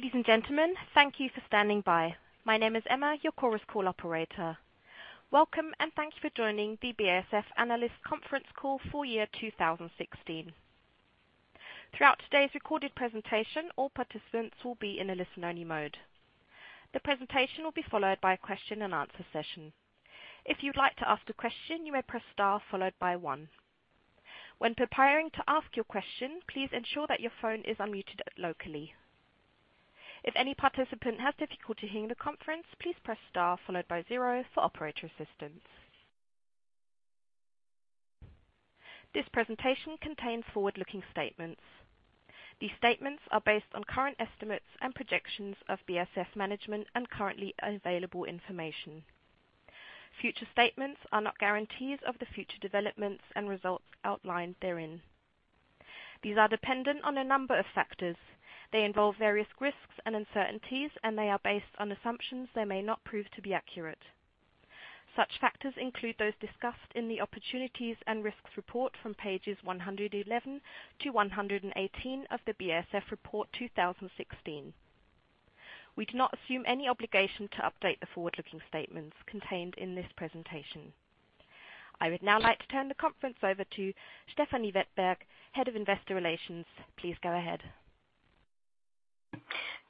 Ladies and gentlemen, thank you for standing by. My name is Emma, your chorus call operator. Welcome and thank you for joining the BASF Analyst Conference Call full year 2016. Throughout today's recorded presentation, all participants will be in a listen-only mode. The presentation will be followed by a question-and-answer session. If you'd like to ask a question, you may press star followed by one. When preparing to ask your question, please ensure that your phone is unmuted locally. If any participant has difficulty hearing the conference, please press star followed by zero for operator assistance. This presentation contains forward-looking statements. These statements are based on current estimates and projections of BASF management and currently available information. Future statements are not guarantees of the future developments and results outlined therein. These are dependent on a number of factors. They involve various risks and uncertainties, and they are based on assumptions that may not prove to be accurate. Such factors include those discussed in the Opportunities and Risks report from pages 111-118 of the BASF Report 2016. We do not assume any obligation to update the forward-looking statements contained in this presentation. I would now like to turn the conference over to Stefanie Wettberg, Head of Investor Relations. Please go ahead.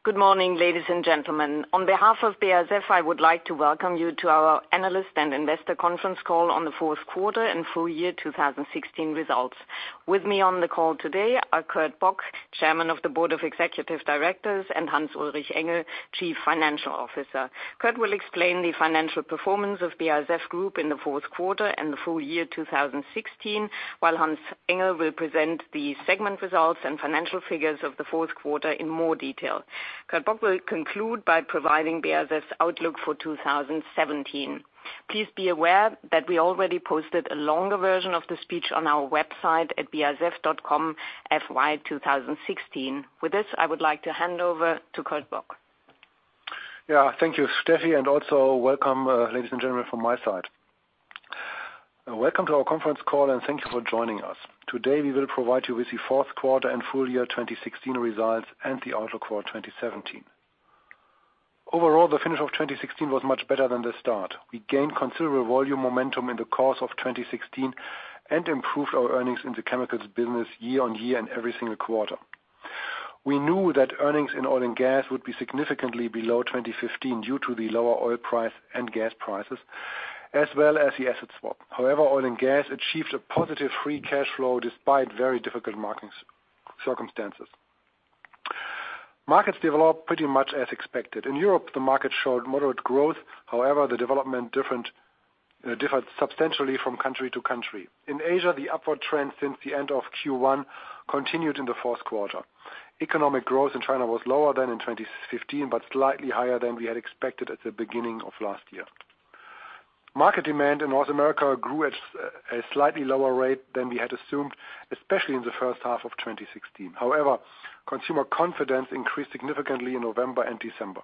Good morning, ladies and gentlemen. On behalf of BASF, I would like to welcome you to our analyst and investor conference call on the fourth quarter and full year 2016 results. With me on the call today are Kurt Bock, Chairman of the Board of Executive Directors, and Hans-Ulrich Engel, Chief Financial Officer. Kurt will explain the financial performance of BASF Group in the fourth quarter and the full year 2016, while Hans Engel will present the segment results and financial figures of the fourth quarter in more detail. Kurt Bock will conclude by providing BASF's outlook for 2017. Please be aware that we already posted a longer version of the speech on our website at basf.com/fy2016. With this, I would like to hand over to Kurt Bock. Yeah. Thank you, Steffi, and also welcome, ladies and gentlemen from my side. Welcome to our conference call, and thank you for joining us. Today, we will provide you with the fourth quarter and full year 2016 results and the outlook for 2017. Overall, the finish of 2016 was much better than the start. We gained considerable volume momentum in the course of 2016 and improved our earnings in the chemicals business year-over-year and every single quarter. We knew that earnings in oil and gas would be significantly below 2015 due to the lower oil price and gas prices as well as the asset swap. However, oil and gas achieved a positive free cash flow despite very difficult market circumstances. Markets developed pretty much as expected. In Europe, the market showed moderate growth. However, the development differed substantially from country to country. In Asia, the upward trend since the end of Q1 continued in the fourth quarter. Economic growth in China was lower than in 2015, but slightly higher than we had expected at the beginning of last year. Market demand in North America grew at a slightly lower rate than we had assumed, especially in the first half of 2016. However, consumer confidence increased significantly in November and December.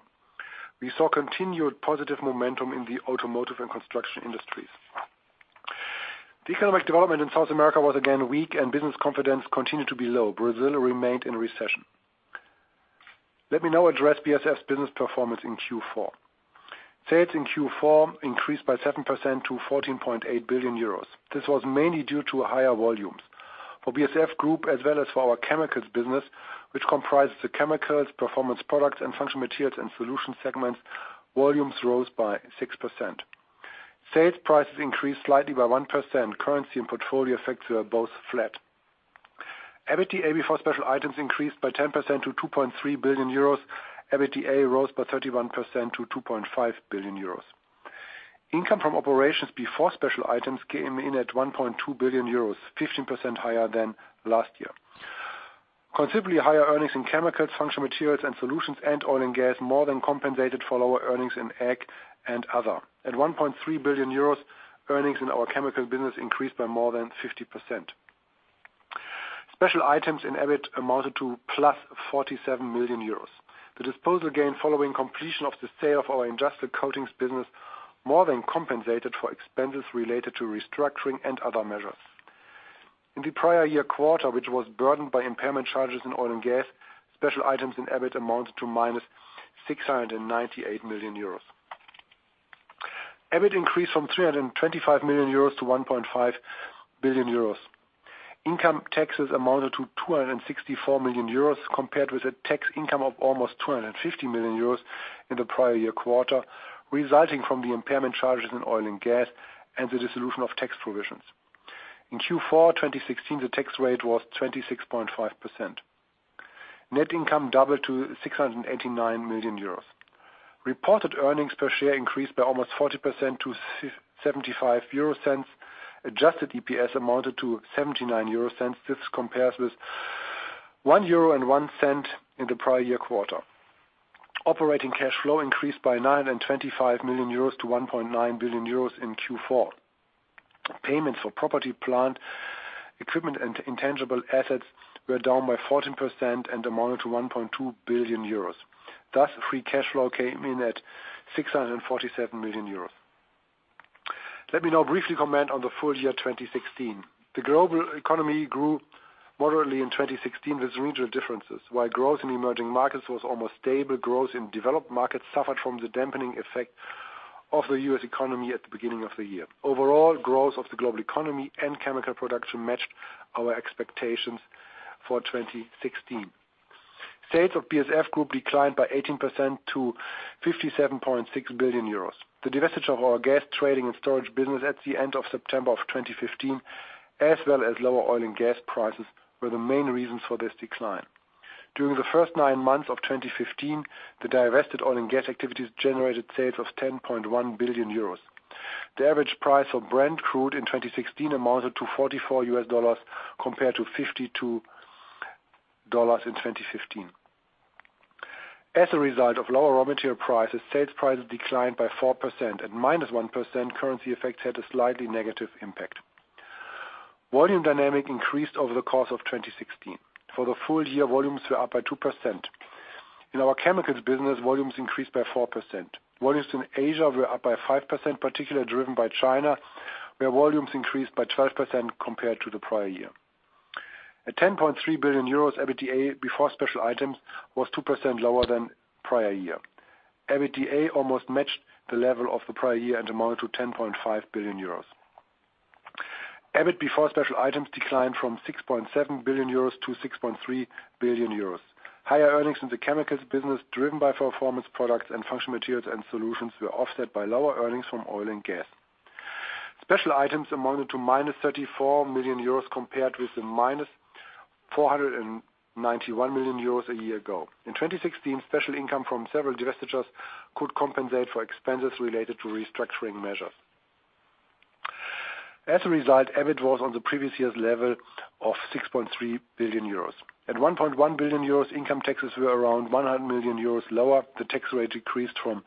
We saw continued positive momentum in the automotive and construction industries. The economic development in South America was again weak and business confidence continued to be low. Brazil remained in recession. Let me now address BASF business performance in Q4. Sales in Q4 increased by 7% to 14.8 billion euros. This was mainly due to higher volumes. For BASF Group as well as for our Chemicals business, which comprises the Chemicals, Performance Products and Functional Materials and Solutions segments, volumes rose by 6%. Sales prices increased slightly by 1%. Currency and portfolio effects were both flat. EBITDA before special items increased by 10% to 2.3 billion euros. EBITDA rose by 31% to 2.5 billion euros. Income from operations before special items came in at 1.2 billion euros, 15% higher than last year. Considerably higher earnings in Chemicals, Functional Materials and Solutions and oil and gas more than compensated for lower earnings in gas and other. At 1.3 billion euros, earnings in our chemical business increased by more than 50%. Special items in EBIT amounted to +47 million euros. The disposal gain following completion of the sale of our industrial coatings business more than compensated for expenses related to restructuring and other measures. In the prior year quarter, which was burdened by impairment charges in oil and gas, special items in EBIT amounted to -698 million euros. EBIT increased from 325 million-1.5 billion euros. Income taxes amounted to 264 million euros compared with a tax income of almost 250 million euros in the prior year quarter, resulting from the impairment charges in oil and gas and the dissolution of tax provisions. In Q4 2016, the tax rate was 26.5%. Net income doubled to 689 million euros. Reported earnings per share increased by almost 40% to 75 euro cents. Adjusted EPS amounted to 0.79. This compares with 1.01 euro in the prior year quarter. Operating cash flow increased by 925 million-1.9 billion euros in Q4. Payments for property, plant, equipment and intangible assets were down by 14% and amounted to 1.2 billion euros. Thus, free cash flow came in at 647 million euros. Let me now briefly comment on the full year 2016. The global economy grew moderately in 2016 with regional differences. While growth in emerging markets was almost stable, growth in developed markets suffered from the dampening effect of the U.S. economy at the beginning of the year. Overall, growth of the global economy and chemical production matched our expectations for 2016. Sales of BASF Group declined by 18% to 57.6 billion euros. The divestiture of our gas trading and storage business at the end of September of 2015, as well as lower oil and gas prices, were the main reasons for this decline. During the first 9 months of 2015, the divested oil and gas activities generated sales of 10.1 billion euros. The average price of Brent Crude in 2016 amounted to $44 compared to $52 in 2015. As a result of lower raw material prices, sales prices declined by 4%. At -1%, currency effects had a slightly negative impact. Volume dynamics increased over the course of 2016. For the full year, volumes were up by 2%. In our chemicals business, volumes increased by 4%. Volumes in Asia were up by 5%, particularly driven by China, where volumes increased by 12% compared to the prior year. At 10.3 billion euros, EBITDA before special items was 2% lower than prior year. EBITDA almost matched the level of the prior year and amounted to 10.5 billion euros. EBIT before special items declined from 6.7 billion-6.3 billion euros. Higher earnings in the chemicals business driven by performance products and functional materials and solutions were offset by lower earnings from oil and gas. Special items amounted to -34 million euros compared with the -491 million euros a year ago. In 2016, special income from several divestitures could compensate for expenses related to restructuring measures. As a result, EBIT was on the previous year's level of 6.3 billion euros. At 1.1 billion euros, income taxes were around 100 million euros lower. The tax rate decreased from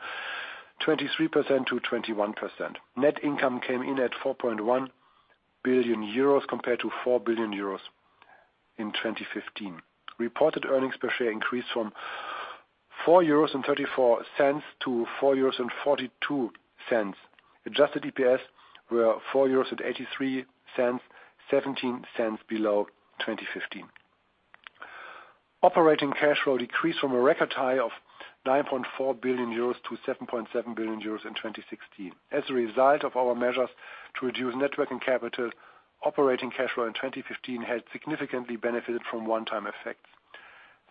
23%-21%. Net income came in at 4.1 billion euros compared to 4 billion euros in 2015. Reported earnings per share increased from 4.34-4.42 euros. Adjusted EPS were 4.83 euros, 0.17 below 2015. Operating cash flow decreased from a record high of 9.4 billion-7.7 billion euros in 2016. As a result of our measures to reduce net working capital, operating cash flow in 2015 had significantly benefited from one-time effects.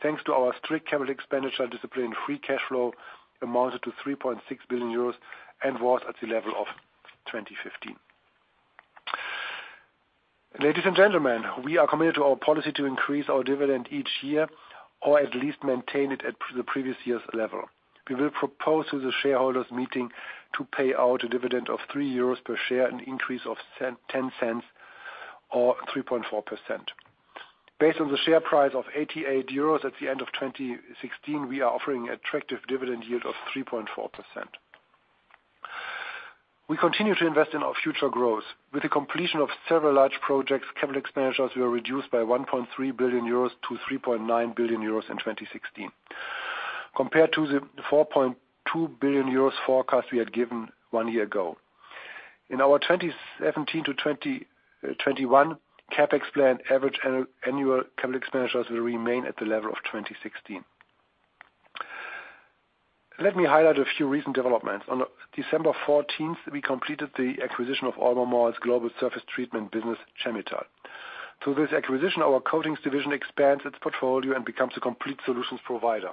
Thanks to our strict capital expenditure discipline, free cash flow amounted to 3.6 billion euros and was at the level of 2015. Ladies and gentlemen, we are committed to our policy to increase our dividend each year or at least maintain it at the previous year's level. We will propose to the shareholders meeting to pay out a dividend of 3 euros per share, an increase of 0.10 or 3.4%. Based on the share price of 88 euros at the end of 2016, we are offering attractive dividend yield of 3.4%. We continue to invest in our future growth. With the completion of several large projects, capital expenditures were reduced by 1.3 billion-3.9 billion euros in 2016 compared to the 4.2 billion euros forecast we had given one year ago. In our 2017-2021 CapEx plan, average annual capital expenditures will remain at the level of 2016. Let me highlight a few recent developments. On December fourteenth, we completed the acquisition of Albemarle's global surface treatment business, Chemetall. Through this acquisition, our coatings division expands its portfolio and becomes a complete solutions provider.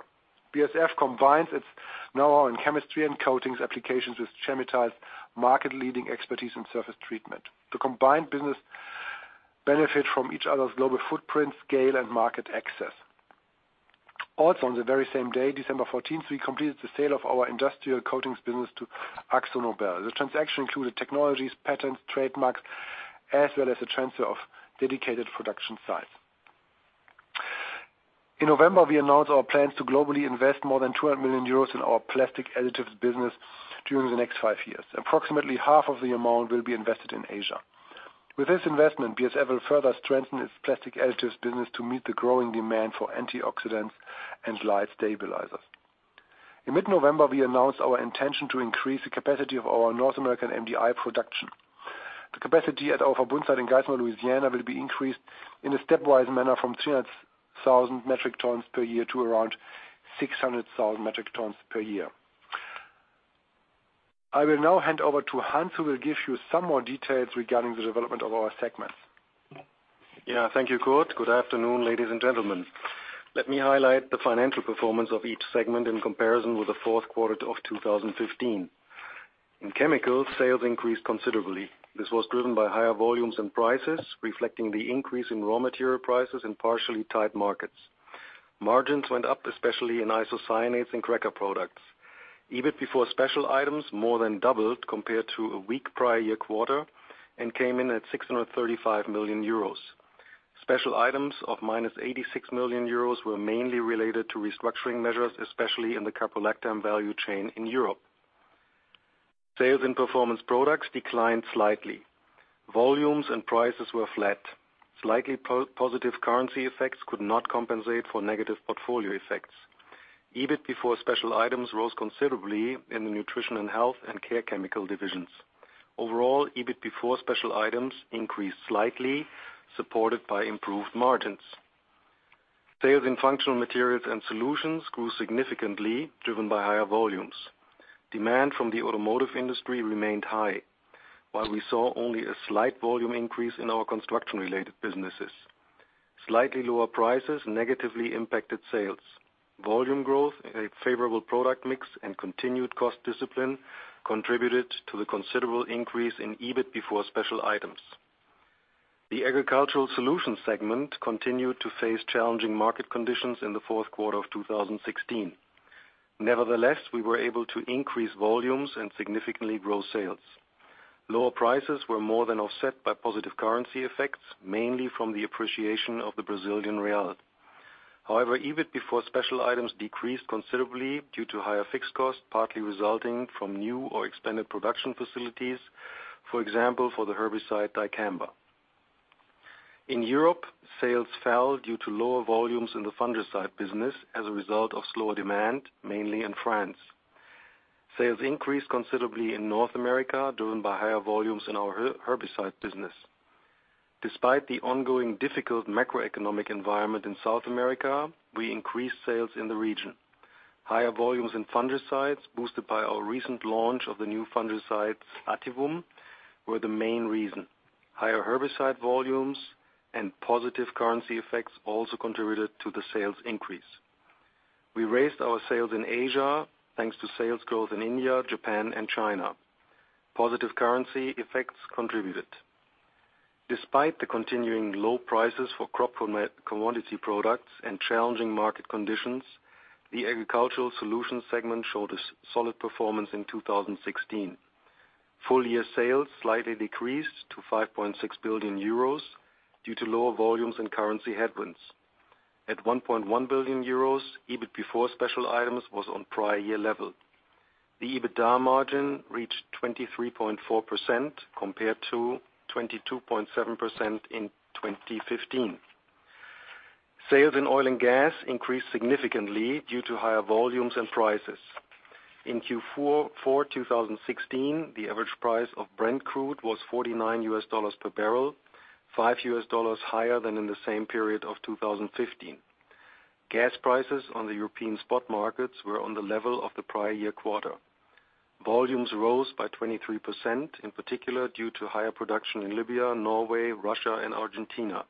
BASF combines its know-how in chemistry and coatings applications with Chemetall's market-leading expertise in surface treatment. The combined business benefit from each other's global footprint, scale, and market access. Also, on the very same day, December 14, we completed the sale of our industrial coatings business to AkzoNobel. The transaction included technologies, patents, trademarks, as well as the transfer of dedicated production sites. In November, we announced our plans to globally invest more than 200 million euros in our plastic additives business during the next five years. Approximately half of the amount will be invested in Asia. With this investment, BASF will further strengthen its plastic additives business to meet the growing demand for antioxidants and light stabilizers. In mid-November, we announced our intention to increase the capacity of our North American MDI production. The capacity at our Verbund site in Geismar, Louisiana, will be increased in a stepwise manner from 300,000 metric tons per year to around 600,000 metric tons per year. I will now hand over to Hans, who will give you some more details regarding the development of our segments. Yeah. Thank you, Kurt. Good afternoon, ladies and gentlemen. Let me highlight the financial performance of each segment in comparison with the fourth quarter of 2015. In Chemicals, sales increased considerably. This was driven by higher volumes and prices, reflecting the increase in raw material prices and partially tight markets. Margins went up, especially in isocyanates and cracker products. EBIT before special items more than doubled compared to a weak prior year quarter and came in at 635 million euros. Special items of -86 million euros were mainly related to restructuring measures, especially in the caprolactam value chain in Europe. Sales in Performance Products declined slightly. Volumes and prices were flat. Slightly positive currency effects could not compensate for negative portfolio effects. EBIT before special items rose considerably in the Nutrition & Health and Care Chemicals divisions. Overall, EBIT before special items increased slightly, supported by improved margins. Sales in functional materials and solutions grew significantly, driven by higher volumes. Demand from the automotive industry remained high, while we saw only a slight volume increase in our construction-related businesses. Slightly lower prices negatively impacted sales. Volume growth and a favorable product mix and continued cost discipline contributed to the considerable increase in EBIT before special items. The Agricultural Solution segment continued to face challenging market conditions in the fourth quarter of 2016. Nevertheless, we were able to increase volumes and significantly grow sales. Lower prices were more than offset by positive currency effects, mainly from the appreciation of the Brazilian real. However, EBIT before special items decreased considerably due to higher fixed costs, partly resulting from new or expanded production facilities, for example, for the herbicide dicamba. In Europe, sales fell due to lower volumes in the fungicide business as a result of slower demand, mainly in France. Sales increased considerably in North America, driven by higher volumes in our herbicide business. Despite the ongoing difficult macroeconomic environment in South America, we increased sales in the region. Higher volumes in fungicides boosted by our recent launch of the new fungicide, Xemium, were the main reason. Higher herbicide volumes and positive currency effects also contributed to the sales increase. We raised our sales in Asia thanks to sales growth in India, Japan, and China. Positive currency effects contributed. Despite the continuing low prices for crop commodity products and challenging market conditions, the Agricultural Solutions segment showed a solid performance in 2016. Full-year sales slightly decreased to 5.6 billion euros due to lower volumes and currency headwinds. At 1.1 billion euros, EBIT before special items was on prior year level. The EBITDA margin reached 23.4% compared to 22.7% in 2015. Sales in oil and gas increased significantly due to higher volumes and prices. In Q4 2016, the average price of Brent crude was $49 per barrel, $5 higher than in the same period of 2015. Gas prices on the European spot markets were on the level of the prior year quarter. Volumes rose by 23%, in particular, due to higher production in Libya, Norway, Russia, and Argentina.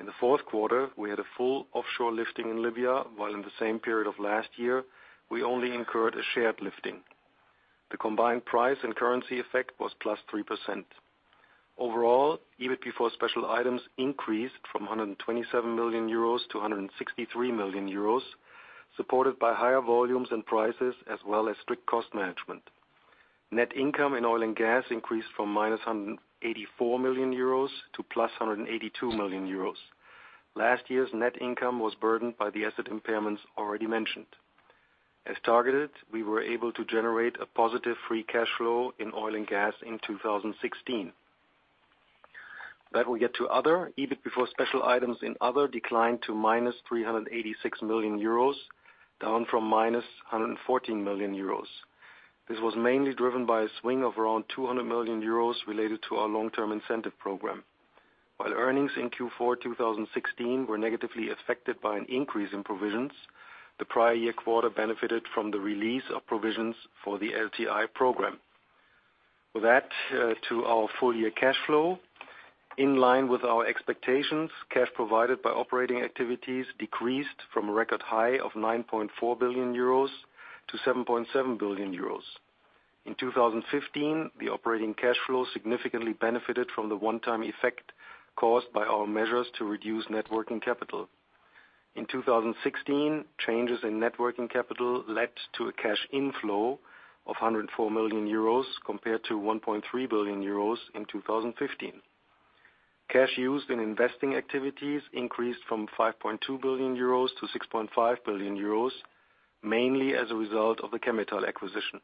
In the fourth quarter, we had a full offshore lifting in Libya, while in the same period of last year, we only incurred a shared lifting. The combined price and currency effect was +3%. Overall, EBIT before special items increased from 127 million-163 million euros, supported by higher volumes and prices as well as strict cost management. Net income in Oil and Gas increased from -184 million euros to +182 million euros. Last year's net income was burdened by the asset impairments already mentioned. As targeted, we were able to generate a positive free cash flow in Oil and Gas in 2016. We get to Other. EBIT before special items in Other declined to -386 million euros, down from -114 million euros. This was mainly driven by a swing of around 200 million euros related to our long-term incentive program. While earnings in Q4 2016 were negatively affected by an increase in provisions, the prior year quarter benefited from the release of provisions for the LTI program. With that, to our full year cash flow. In line with our expectations, cash provided by operating activities decreased from a record high of 9.4 billion-7.7 billion euros. In 2015, the operating cash flow significantly benefited from the one-time effect caused by our measures to reduce net working capital. In 2016, changes in net working capital led to a cash inflow of 104 million euros compared to 1.3 billion euros in 2015. Cash used in investing activities increased from 5.2 billion-6.5 billion euros, mainly as a result of the Chemetall acquisition.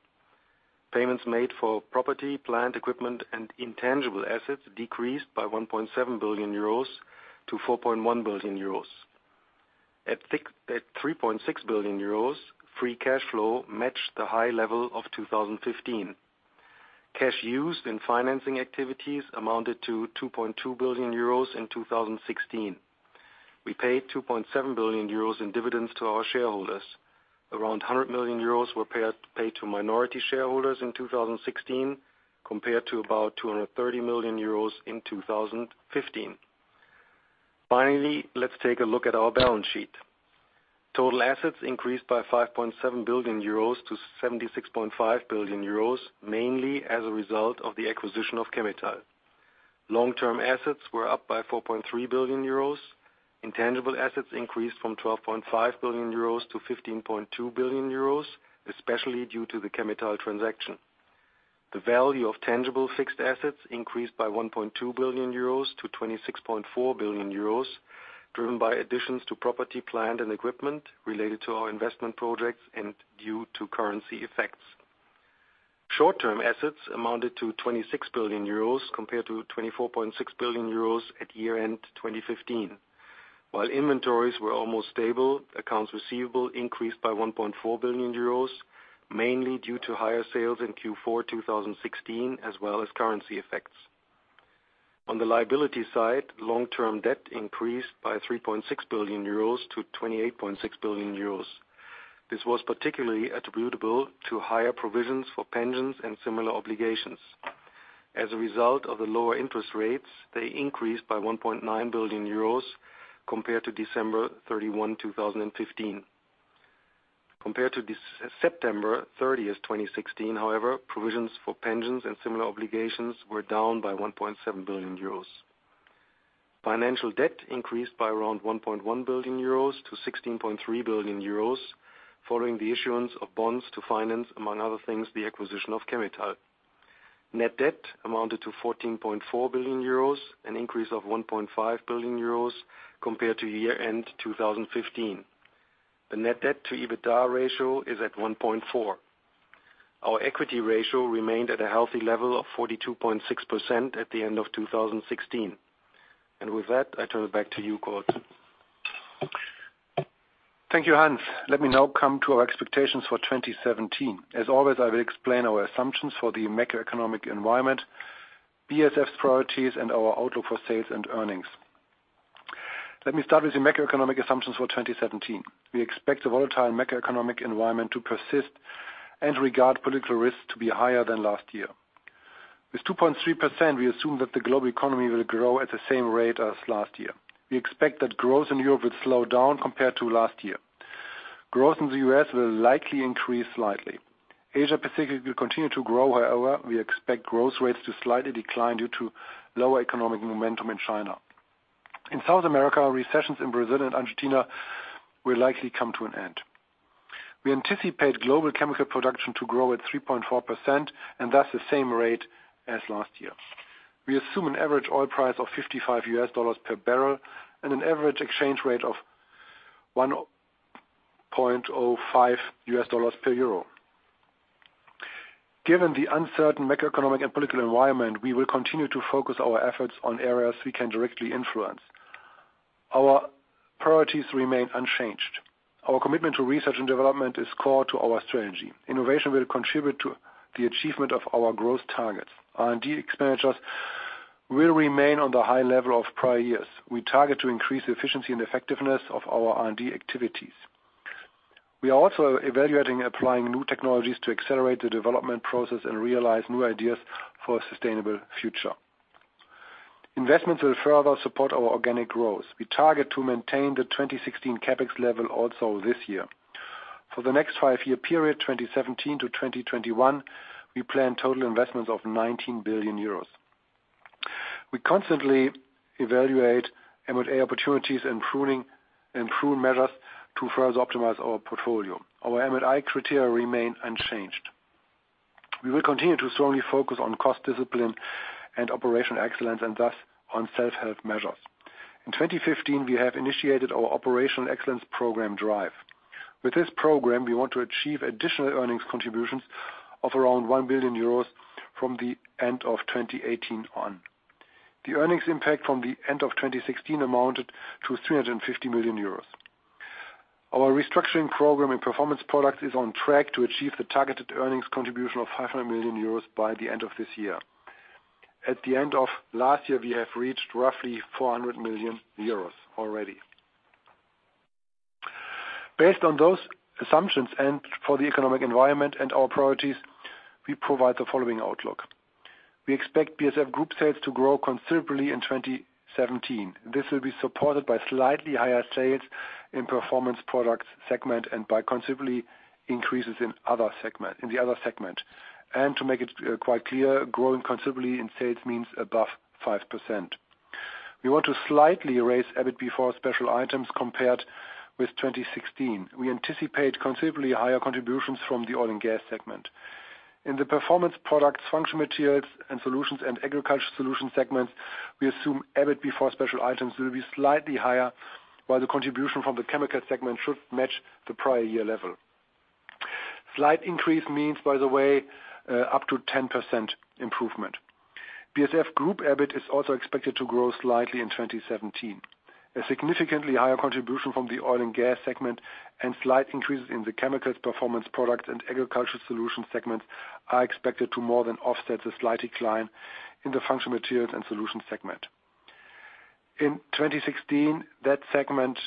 Payments made for property, plant equipment, and intangible assets decreased by 1.7 billion-4.1 billion euros. At 3.6 billion euros, free cash flow matched the high level of 2015. Cash used in financing activities amounted to 2.2 billion euros in 2016. We paid 2.7 billion euros in dividends to our shareholders. Around 100 million euros were paid to minority shareholders in 2016 compared to about 230 million euros in 2015. Finally, let's take a look at our balance sheet. Total assets increased by 5.7 billion-76.5 billion euros, mainly as a result of the acquisition of Chemetall. Long-term assets were up by 4.3 billion euros. Intangible assets increased from 12.5 billion-15.2 billion euros, especially due to the Chemetall transaction. The value of tangible fixed assets increased by 1.2 billion-26.4 billion euros, driven by additions to property, plant, and equipment related to our investment projects and due to currency effects. Short-term assets amounted to 26 billion euros compared to 24.6 billion euros at year-end 2015. While inventories were almost stable, accounts receivable increased by 1.4 billion euros, mainly due to higher sales in Q4 2016, as well as currency effects. On the liability side, long-term debt increased by 3.6 billion-28.6 billion euros. This was particularly attributable to higher provisions for pensions and similar obligations. As a result of the lower interest rates, they increased by 1.9 billion euros compared to December 31, 2015. Compared to September 30, 2016, however, provisions for pensions and similar obligations were down by 1.7 billion euros. Financial debt increased by around 1.1 billion-16.3 billion euros, following the issuance of bonds to finance, among other things, the acquisition of Chemetall. Net debt amounted to 14.4 billion euros, an increase of 1.5 billion euros compared to year-end 2015. The net debt to EBITDA ratio is at 1.4. Our equity ratio remained at a healthy level of 42.6% at the end of 2016. With that, I turn it back to you, Kurt. Thank you, Hans. Let me now come to our expectations for 2017. As always, I will explain our assumptions for the macroeconomic environment, BASF's priorities, and our outlook for sales and earnings. Let me start with the macroeconomic assumptions for 2017. We expect the volatile macroeconomic environment to persist and regard political risks to be higher than last year. With 2.3%, we assume that the global economy will grow at the same rate as last year. We expect that growth in Europe will slow down compared to last year. Growth in the U.S. will likely increase slightly. Asia Pacific will continue to grow, however, we expect growth rates to slightly decline due to lower economic momentum in China. In South America, recessions in Brazil and Argentina will likely come to an end. We anticipate global chemical production to grow at 3.4%, and that's the same rate as last year. We assume an average oil price of $55 per barrel and an average exchange rate of $1.05 per euro. Given the uncertain macroeconomic and political environment, we will continue to focus our efforts on areas we can directly influence. Our priorities remain unchanged. Our commitment to research and development is core to our strategy. Innovation will contribute to the achievement of our growth targets. R&D expenditures will remain on the high level of prior years. We target to increase efficiency and effectiveness of our R&D activities. We are also evaluating applying new technologies to accelerate the development process and realize new ideas for a sustainable future. Investments will further support our organic growth. We target to maintain the 2016 CapEx level also this year. For the next five year period, 2017-2021, we plan total investments of 19 billion euros. We constantly evaluate M&A opportunities and prune measures to further optimize our portfolio. Our M&A criteria remain unchanged. We will continue to strongly focus on cost discipline and operational excellence, and thus on self-help measures. In 2015, we have initiated our operational excellence program DrivE. With this program, we want to achieve additional earnings contributions of around 1 billion euros from the end of 2018 on. The earnings impact from the end of 2016 amounted to 350 million euros. Our restructuring program in Performance Products is on track to achieve the targeted earnings contribution of 500 million euros by the end of this year. At the end of last year, we have reached roughly 400 million euros already. Based on those assumptions and for the economic environment and our priorities, we provide the following outlook. We expect BASF Group sales to grow considerably in 2017. This will be supported by slightly higher sales in Performance Products segment and by considerable increases in the other segments. To make it quite clear, growing considerably in sales means above 5%. We want to slightly raise EBIT before special items compared with 2016. We anticipate considerably higher contributions from the Oil & Gas segment. In the Performance Products, Functional Materials & Solutions and Agricultural Solutions segments, we assume EBIT before special items will be slightly higher, while the contribution from the Chemicals segment should match the prior year level. Slight increase means, by the way, up to 10% improvement. BASF Group EBIT is also expected to grow slightly in 2017. A significantly higher contribution from the Oil and Gas segment and slight increases in the Chemicals, Performance Products, and Agriculture Solutions segments are expected to more than offset the slight decline in the Functional Materials and Solutions segment. In 2016, that segment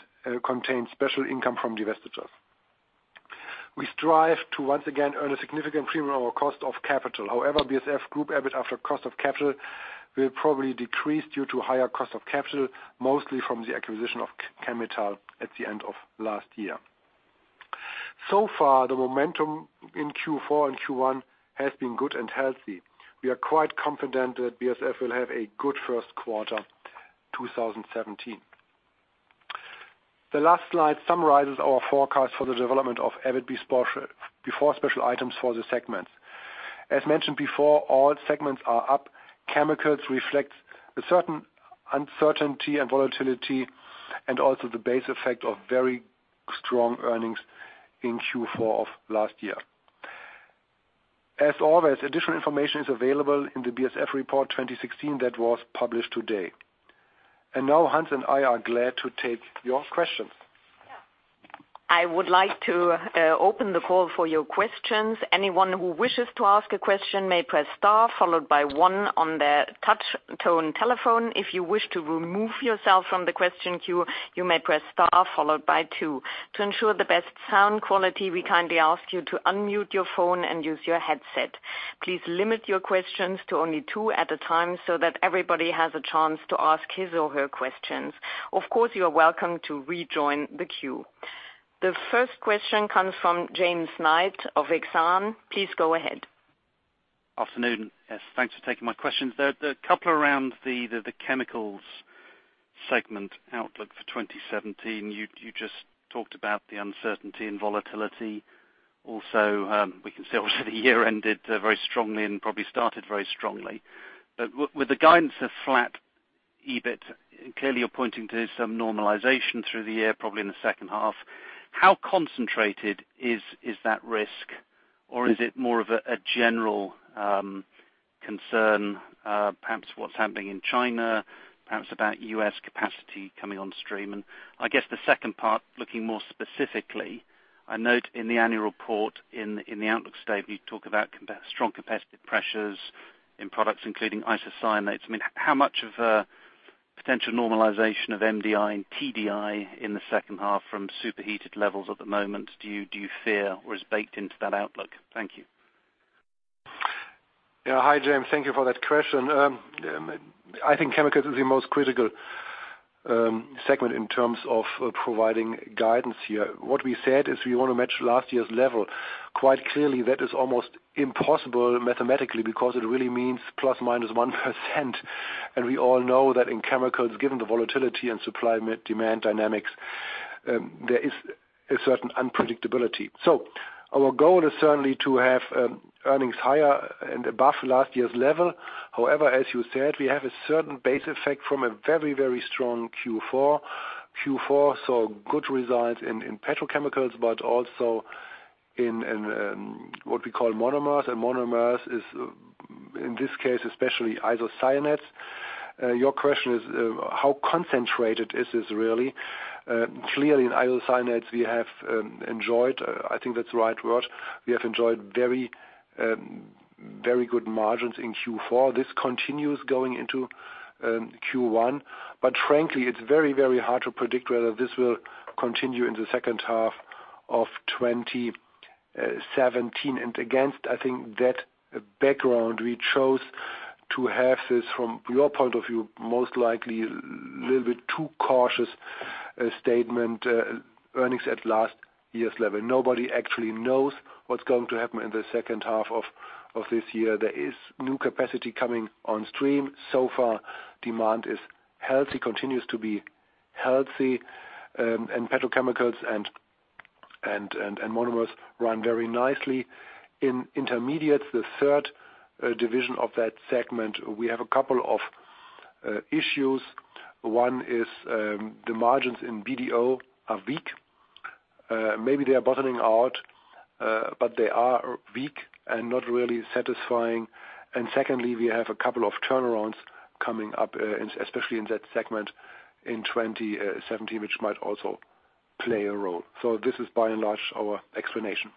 contained special income from divestitures. We strive to once again earn a significant premium on our cost of capital. However, BASF Group EBIT after cost of capital will probably decrease due to higher cost of capital, mostly from the acquisition of Chemetall at the end of last year. So far, the momentum in Q4 and Q1 has been good and healthy. We are quite confident that BASF will have a good first quarter 2017. The last slide summarizes our forecast for the development of EBIT before special items for the segments. As mentioned before, all segments are up. Chemicals reflects a certain uncertainty and volatility and also the base effect of very strong earnings in Q4 of last year. As always, additional information is available in the BASF report 2016 that was published today. Now Hans and I are glad to take your questions. I would like to open the call for your questions. Anyone who wishes to ask a question may press star followed by one on their touch tone telephone. If you wish to remove yourself from the question queue, you may press star followed by two. To ensure the best sound quality, we kindly ask you to unmute your phone and use your headset. Please limit your questions to only two at a time so that everybody has a chance to ask his or her questions. Of course, you are welcome to rejoin the queue. The first question comes from James Knight of Exane. Please go ahead. Afternoon. Yes, thanks for taking my questions. There are a couple around the Chemicals segment outlook for 2017. You just talked about the uncertainty and volatility. Also, we can see obviously the year ended very strongly and probably started very strongly. With the guidance of flat EBIT, clearly you're pointing to some normalization through the year, probably in the second half. How concentrated is that risk, or is it more of a general concern, perhaps what's happening in China, perhaps about U.S. capacity coming on stream? I guess the second part, looking more specifically, I note in the annual report in the outlook statement, you talk about strong competitive pressures in products including isocyanates. I mean, how much of a potential normalization of MDI and TDI in the second half from superheated levels at the moment do you fear or is baked into that outlook? Thank you. Yeah. Hi, James. Thank you for that question. I think Chemicals is the most critical segment in terms of providing guidance here. What we said is we want to match last year's level. Quite clearly, that is almost impossible mathematically because it really means ±1%. We all know that in Chemicals, given the volatility and supply and demand dynamics, there is a certain unpredictability. Our goal is certainly to have earnings higher and above last year's level. However, as you said, we have a certain base effect from a very, very strong Q4. Q4 saw good results in Petrochemicals, but also in what we call monomers. Monomers is, in this case, especially isocyanates. Your question is, how concentrated is this really? Clearly in isocyanates we have enjoyed, I think that's the right word. We have enjoyed very, very good margins in Q4. This continues going into Q1, but frankly, it's very, very hard to predict whether this will continue in the second half of 2017. Against that background, I think, we chose to have this from your point of view most likely little bit too cautious a statement, earnings at last year's level. Nobody actually knows what's going to happen in the second half of this year. There is new capacity coming on stream. So far demand is healthy, continues to be healthy, and Petrochemicals and monomers run very nicely. In Intermediates, the third division of that segment, we have a couple of issues. One is, the margins in BDO are weak. Maybe they are bottoming out, but they are weak and not really satisfying. Secondly, we have a couple of turnarounds coming up, especially in that segment in 2017, which might also play a role. This is by and large our explanation.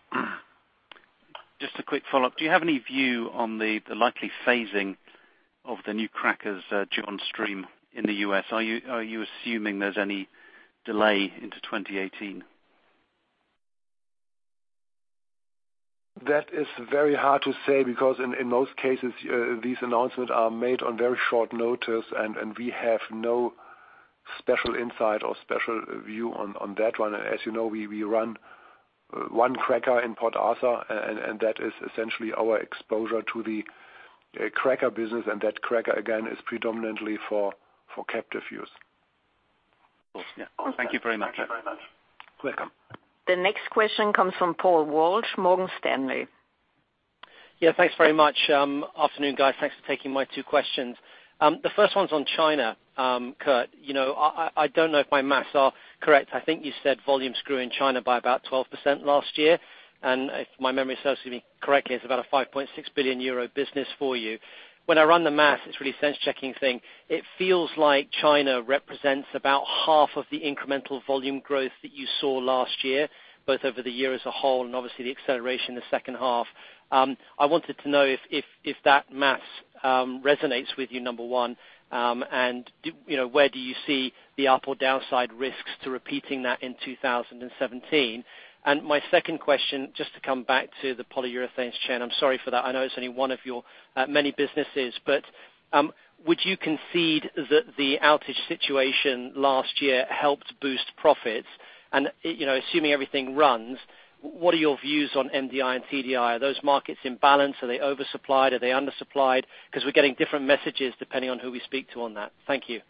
Just a quick follow-up. Do you have any view on the likely phasing of the new crackers due on stream in the U.S.? Are you assuming there's any delay into 2018? That is very hard to say because in most cases, these announcements are made on very short notice, and we have no special insight or special view on that one. As you know, we run one cracker in Port Arthur, and that is essentially our exposure to the cracker business. That cracker again is predominantly for captive use. Cool. Yeah. Thank you very much. You're welcome. The next question comes from Paul Walsh, Morgan Stanley. Yeah. Thanks very much. Afternoon, guys. Thanks for taking my two questions. The first one's on China, Kurt. You know, I don't know if my math is correct. I think you said volumes grew in China by about 12% last year, and if my memory serves me correctly, it's about a 5.6 billion euro business for you. When I run the math, it's really a sense checking thing, it feels like China represents about half of the incremental volume growth that you saw last year, both over the year as a whole and obviously the acceleration in the second half. I wanted to know if that math resonates with you, number one, and, you know, where do you see the up or downside risks to repeating that in 2017? My second question, just to come back to the polyurethanes chain, I'm sorry for that. I know it's only one of your many businesses, but would you concede that the outage situation last year helped boost profits? You know, assuming everything runs, what are your views on MDI and TDI? Are those markets in balance? Are they oversupplied? Are they undersupplied? Because we're getting different messages depending on who we speak to on that. Thank you.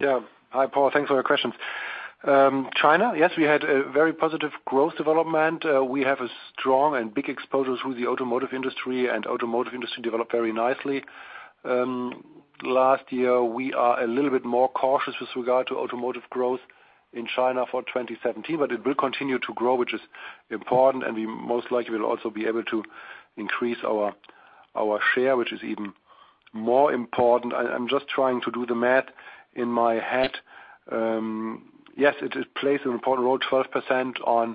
Yeah. Hi, Paul. Thanks for your questions. China, yes, we had a very positive growth development. We have a strong and big exposure through the automotive industry, and automotive industry developed very nicely last year. We are a little bit more cautious with regard to automotive growth in China for 2017, but it will continue to grow, which is important, and we most likely will also be able to increase our share, which is even more important. I'm just trying to do the math in my head. Yes, it does play an important role, 12% on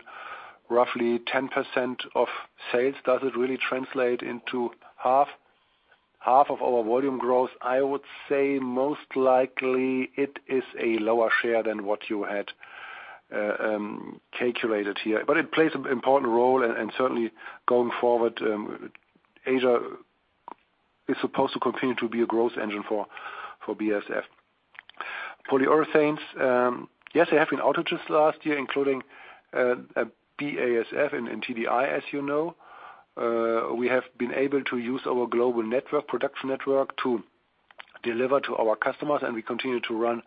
roughly 10% of sales. Does it really translate into half of our volume growth? I would say most likely it is a lower share than what you had calculated here. It plays an important role and certainly going forward, Asia is supposed to continue to be a growth engine for BASF. Polyurethanes, yes, there have been outages last year, including BASF and TDI, as you know. We have been able to use our global network, production network to deliver to our customers, and we continue to run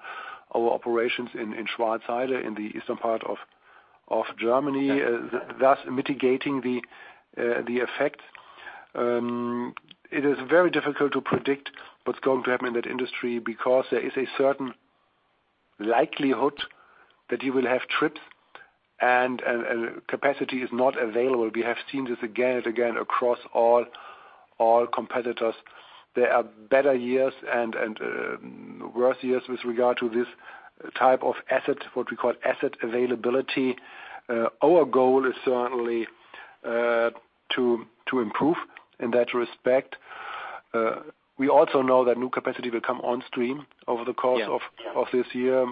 our operations in Schwarzheide in the eastern part of Germany, thus mitigating the effect. It is very difficult to predict what's going to happen in that industry because there is a certain likelihood that you will have trips and capacity is not available. We have seen this again and again across all competitors. There are better years and worse years with regard to this type of asset, what we call asset availability. Our goal is certainly to improve in that respect. We also know that new capacity will come on stream over the course. Yeah. Of this year.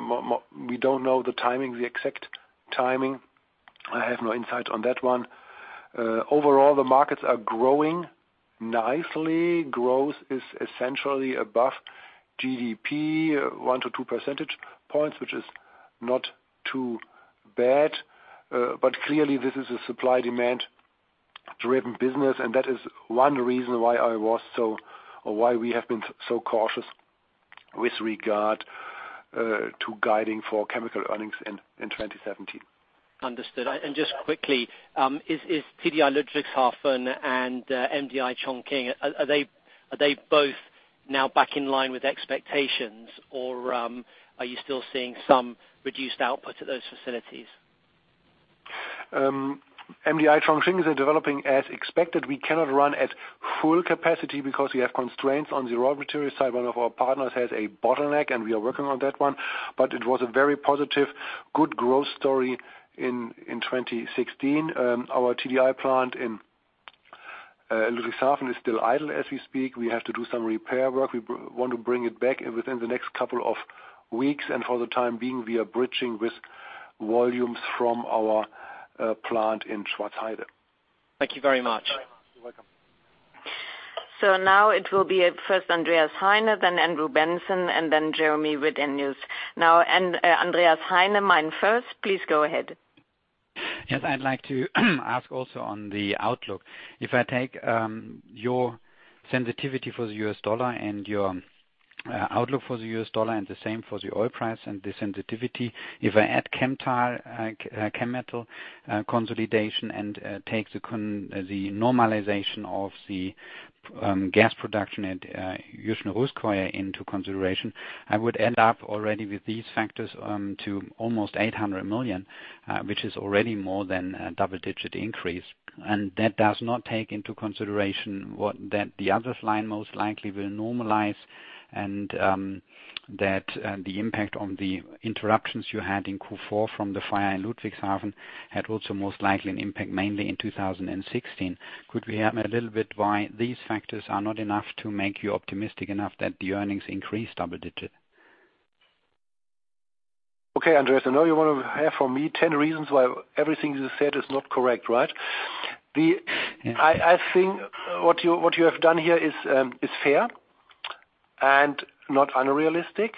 We don't know the timing, the exact timing. I have no insight on that one. Overall, the markets are growing nicely. Growth is essentially above GDP 1-2 percentage points, which is not too bad. Clearly this is a supply/demand-driven business, and that is one reason why we have been so cautious with regard to guiding for chemical earnings in 2017. Understood. Just quickly, is TDI Ludwigshafen and MDI Chongqing, are they both now back in line with expectations or, are you still seeing some reduced output at those facilities? MDI Chongqing is developing as expected. We cannot run at full capacity because we have constraints on the raw material side. One of our partners has a bottleneck, and we are working on that one, but it was a very positive, good growth story in 2016. Our TDI plant in Ludwigshafen is still idle as we speak. We have to do some repair work. We want to bring it back within the next couple of weeks, and for the time being, we are bridging with volumes from our plant in Schwarzheide. Thank you very much. You're welcome. Now it will be first Andreas Heine, then Andrew Benson, and then Jeremy Redenius. Now Andreas Heine, MainFirst. Please go ahead. Yes, I'd like to ask also on the outlook. If I take your sensitivity for the US dollar and your outlook for the US dollar and the same for the oil price and the sensitivity, if I add Chemetall consolidation and take the normalization of the gas production at Yuzhno-Russkoye into consideration, I would end up already with these factors to almost 800 million, which is already more than a double-digit increase. That does not take into consideration that the other line most likely will normalize and that the impact on the interruptions you had in Q4 from the fire in Ludwigshafen had also most likely an impact mainly in 2016. Could we have a little bit why these factors are not enough to make you optimistic enough that the earnings increase double digit? Okay, Andreas, I know you want to hear from me 10 reasons why everything you said is not correct, right? Yeah. I think what you have done here is fair and not unrealistic.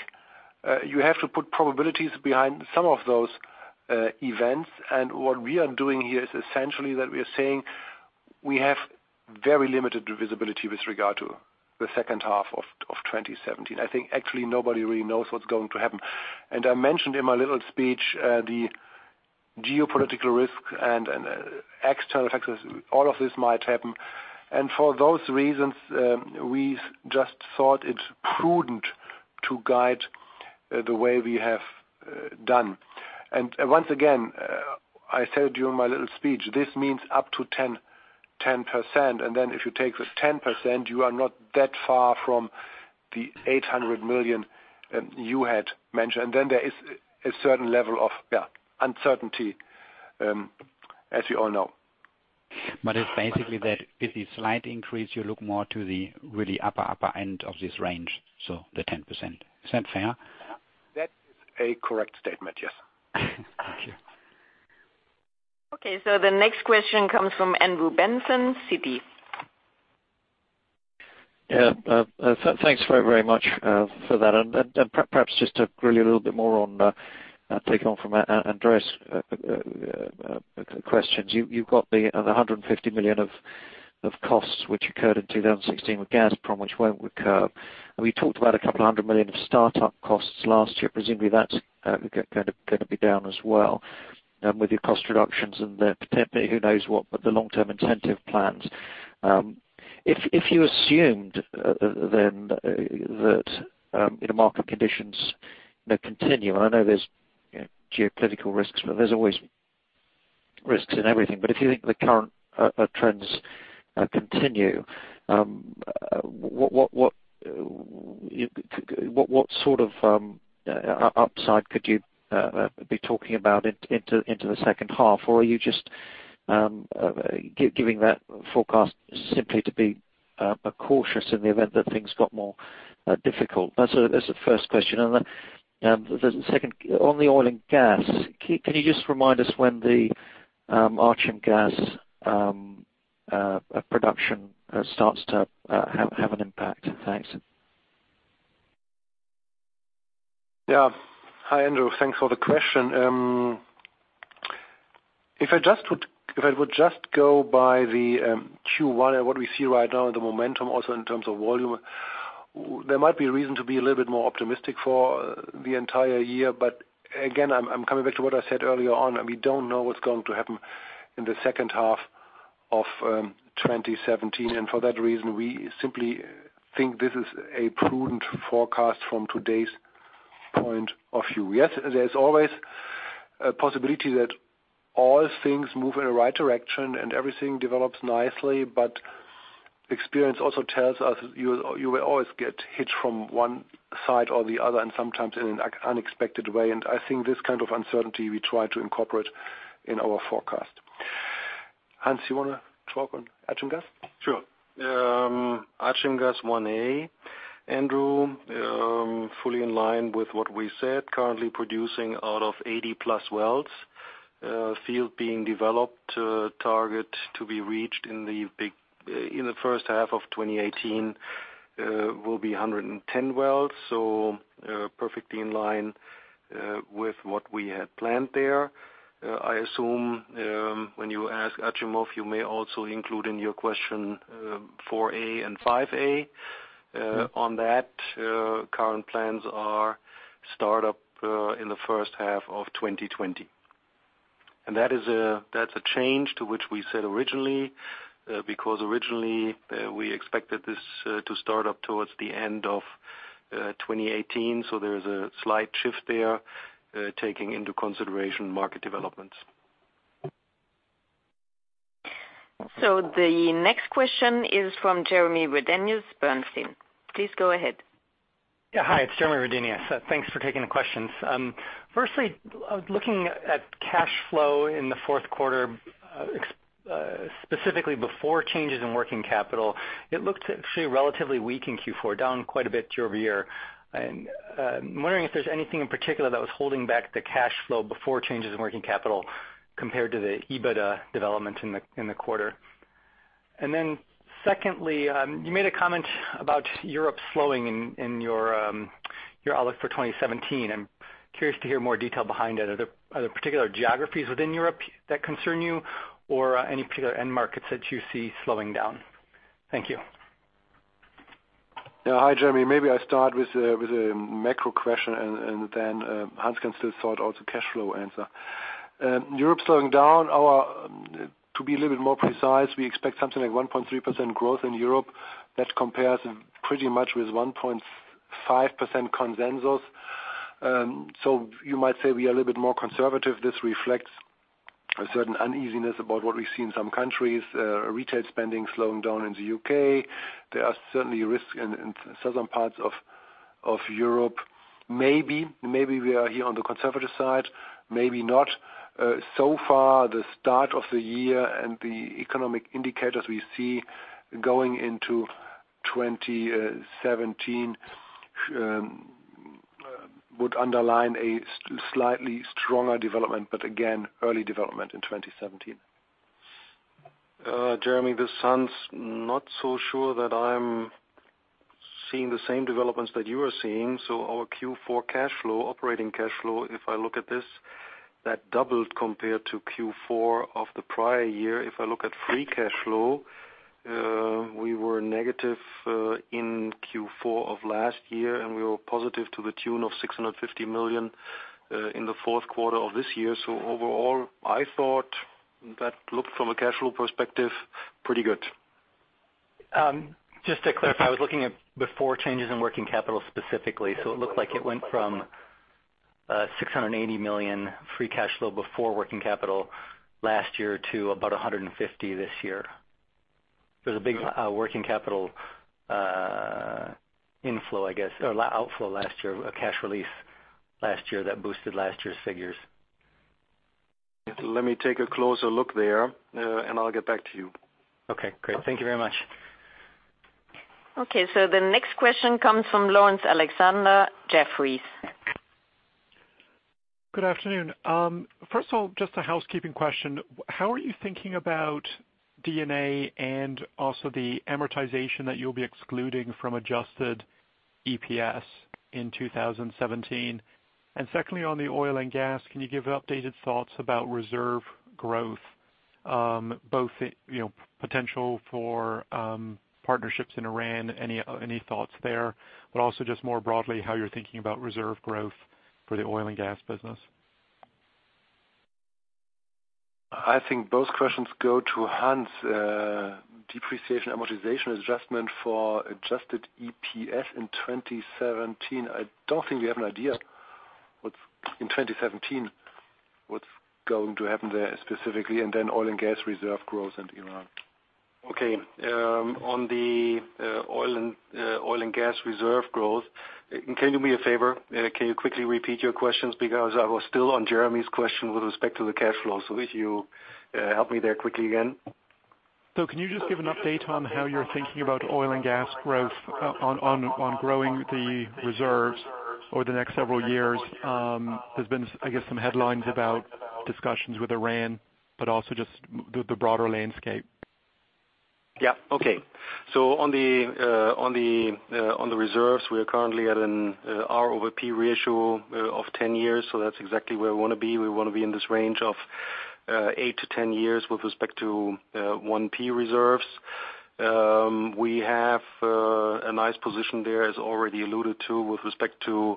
You have to put probabilities behind some of those events. What we are doing here is essentially that we are saying we have very limited visibility with regard to the second half of 2017. I think actually nobody really knows what's going to happen. I mentioned in my little speech the geopolitical risk and external factors, all of this might happen. For those reasons, we just thought it prudent to guide the way we have done. Once again, I said during my little speech, this means up to 10%, and then if you take the 10%, you are not that far from the 800 million you had mentioned. There is a certain level of, yeah, uncertainty, as you all know. It's basically that with a slight increase, you look more to the really upper end of this range, so the 10%. Is that fair? That is a correct statement, yes. Okay. The next question comes from Andrew Benson, Citi. Yeah. Thanks very much for that. Perhaps just to grill you a little bit more on taking off from Andreas' questions. You've got the 150 million of costs which occurred in 2016 with Gazprom, which won't recur. We talked about a couple of hundred million of startup costs last year. Presumably that's kinda gonna be down as well with your cost reductions and the potentially who knows what, but the long-term incentive plans. If you assumed then that you know market conditions you know continue, and I know there's you know geopolitical risks, but there's always risks in everything. If you think the current trends continue, what sort of upside could you be talking about into the second half? Or are you just giving that forecast simply to be cautious in the event that things got more difficult? That's the first question. Then, the second, on the oil and gas, can you just remind us when the Achimov Gas production starts to have an impact? Thanks. Yeah. Hi, Andrew. Thanks for the question. If I would just go by the Q1 and what we see right now, the momentum also in terms of volume, there might be a reason to be a little bit more optimistic for the entire year. Again, I'm coming back to what I said earlier on, and we don't know what's going to happen in the second half of 2017. For that reason, we simply think this is a prudent forecast from today's point of view. Yes, there's always a possibility that all things move in the right direction and everything develops nicely. Experience also tells us you will always get hit from one side or the other and sometimes in an unexpected way. I think this kind of uncertainty we try to incorporate in our forecast. Hans, you wanna talk on Achimov Gas? Sure. Achimov Gas 1A, Andrew, fully in line with what we said, currently producing out of 80+ wells. Field being developed, target to be reached in the first half of 2018, will be 110 wells. Perfectly in line with what we had planned there. I assume, when you ask Achimov, you may also include in your question, 4A and 5A. On that, current plans are start up in the first half of 2020. That is a change from what we said originally, because originally, we expected this to start up towards the end of 2018. There is a slight shift there, taking into consideration market developments. The next question is from Jeremy Redenius, Bernstein. Please go ahead. Yeah. Hi, it's Jeremy Redenius. Thanks for taking the questions. Firstly, looking at cash flow in the fourth quarter, specifically before changes in working capital, it looked actually relatively weak in Q4, down quite a bit year-over-year. I'm wondering if there's anything in particular that was holding back the cash flow before changes in working capital compared to the EBITDA development in the quarter. Then secondly, you made a comment about Europe slowing in your outlook for 2017. I'm curious to hear more detail behind that. Are there particular geographies within Europe that concern you or any particular end markets that you see slowing down? Thank you. Yeah. Hi, Jeremy. Maybe I start with the macro question and then Hans can still sort out the cash flow answer. To be a little bit more precise, we expect something like 1.3% growth in Europe. That compares pretty much with 1.5% consensus. So you might say we are a little bit more conservative. This reflects a certain uneasiness about what we see in some countries, retail spending slowing down in the U.K. There are certainly risks in southern parts of Europe. Maybe we are here on the conservative side, maybe not. So far the start of the year and the economic indicators we see going into 2017 would underline a slightly stronger development, but again, early development in 2017. Jeremy, I'm not so sure that I'm seeing the same developments that you are seeing. Our Q4 cash flow, operating cash flow, if I look at this, that doubled compared to Q4 of the prior year. If I look at free cash flow, we were negative in Q4 of last year, and we were positive to the tune of 650 million in the fourth quarter of this year. Overall, I thought that looked from a cash flow perspective, pretty good. Just to clarify, I was looking at before changes in working capital specifically. It looked like it went from 680 million free cash flow before working capital last year to about 150 million this year. There's a big working capital inflow, I guess, or outflow last year, a cash release last year that boosted last year's figures. Let me take a closer look there, and I'll get back to you. Okay, great. Thank you very much. Okay. The next question comes from Laurence Alexander, Jefferies. Good afternoon. First of all, just a housekeeping question. How are you thinking about D&A and also the amortization that you'll be excluding from adjusted EPS in 2017? Secondly, on the oil and gas, can you give updated thoughts about reserve growth, both, you know, potential for partnerships in Iran, any thoughts there? Also just more broadly, how you're thinking about reserve growth for the oil and gas business. I think both questions go to Hans. Depreciation, amortization, adjustment for adjusted EPS in 2017. I don't think we have an idea in 2017, what's going to happen there specifically, and then oil and gas reserve growth in Iran. Okay. On the oil and gas reserve growth, can you do me a favor? Can you quickly repeat your questions? Because I was still on Jeremy's question with respect to the cash flow. If you help me there quickly again. Can you just give an update on how you're thinking about oil and gas growth on growing the reserves over the next several years? There's been, I guess, some headlines about discussions with Iran, but also just the broader landscape. Yeah. Okay. On the reserves, we are currently at an R/P ratio of 10 years, so that's exactly where we wanna be. We wanna be in this range of 8-10 years with respect to 1P reserves. We have a nice position there, as already alluded to, with respect to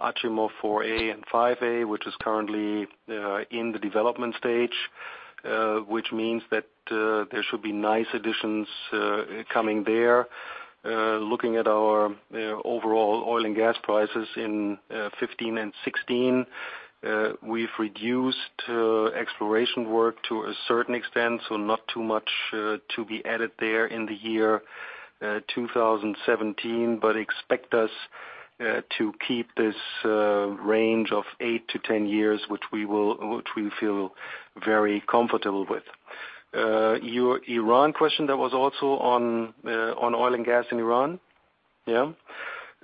Achimov 4A and 5A, which is currently in the development stage, which means that there should be nice additions coming there. Looking at our overall oil and gas prices in 2015 and 2016, we've reduced exploration work to a certain extent, so not too much to be added there in the year 2017. Expect us to keep this range of 8-10 years, which we feel very comfortable with. Your Iran question, that was also on oil and gas in Iran? Yeah.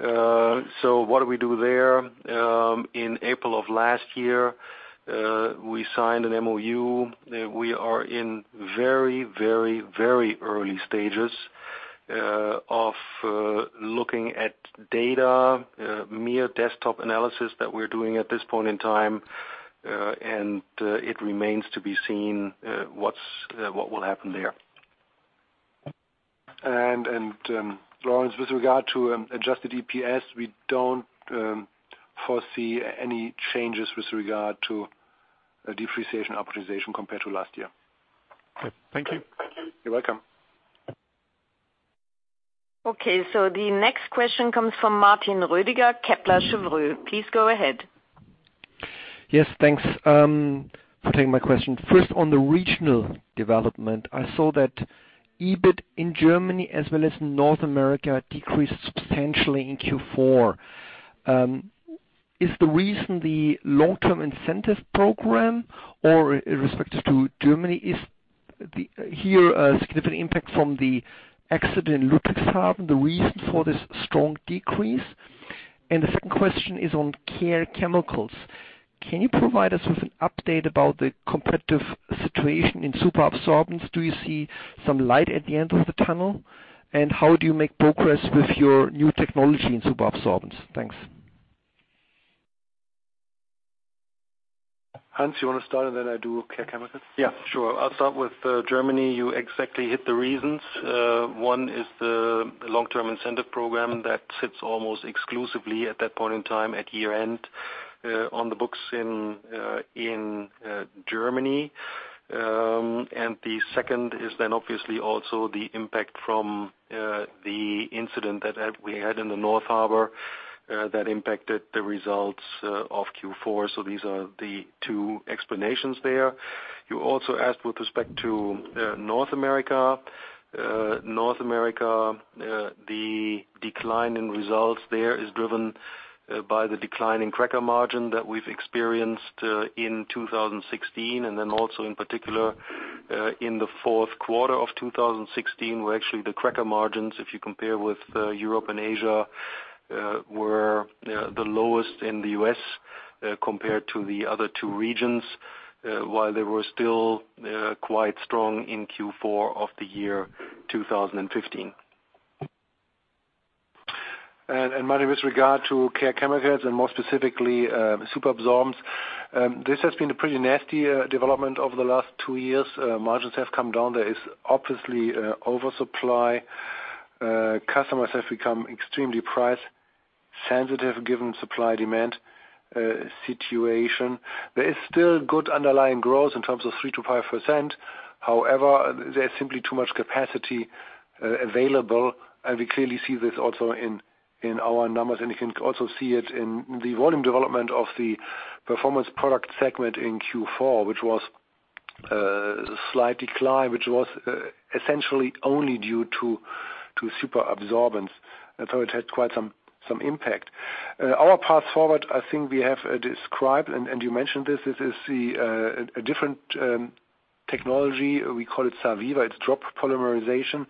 So what do we do there? In April of last year, we signed an MOU. We are in very early stages of looking at data, mere desktop analysis that we're doing at this point in time, and it remains to be seen what will happen there. Laurence, with regard to adjusted EPS, we don't foresee any changes with regard to a depreciation optimization compared to last year. Thank you. You're welcome. Okay. The next question comes from Martin Rödiger, Kepler Cheuvreux. Please go ahead. Yes, thanks for taking my question. First, on the regional development, I saw that EBIT in Germany as well as North America decreased substantially in Q4. Is the reason the long-term incentive program, or in respect to Germany, is there a significant impact from the accident in Ludwigshafen the reason for this strong decrease? The second question is on Care Chemicals. Can you provide us with an update about the competitive situation in superabsorbents? Do you see some light at the end of the tunnel? How do you make progress with your new technology in superabsorbents? Thanks. Hans, you wanna start and then I do Care Chemicals? Yeah, sure. I'll start with Germany. You exactly hit the reasons. One is the long-term incentive program that sits almost exclusively at that point in time, at year-end, on the books in Germany. The second is then obviously also the impact from the incident that we had in the North Harbor, that impacted the results of Q4. These are the two explanations there. You also asked with respect to North America. North America, the decline in results there is driven by the decline in cracker margin that we've experienced in 2016, and then also in particular in the fourth quarter of 2016, where actually the cracker margins, if you compare with Europe and Asia, were the lowest in the U.S., compared to the other two regions, while they were still quite strong in Q4 of the year 2015. Martin, with regard to Care Chemicals and more specifically, superabsorbents, this has been a pretty nasty development over the last two years. Margins have come down. There is obviously oversupply. Customers have become extremely price-sensitive given supply-demand situation. There is still good underlying growth in terms of 3%-5%. However, there's simply too much capacity available, and we clearly see this also in our numbers, and you can also see it in the volume development of the Performance Products segment in Q4, which was a slight decline, which was essentially only due to superabsorbents. It had quite some impact. Our path forward, I think we have described, and you mentioned this. This is a different technology, we call it SAVIVA. It's droplet polymerization.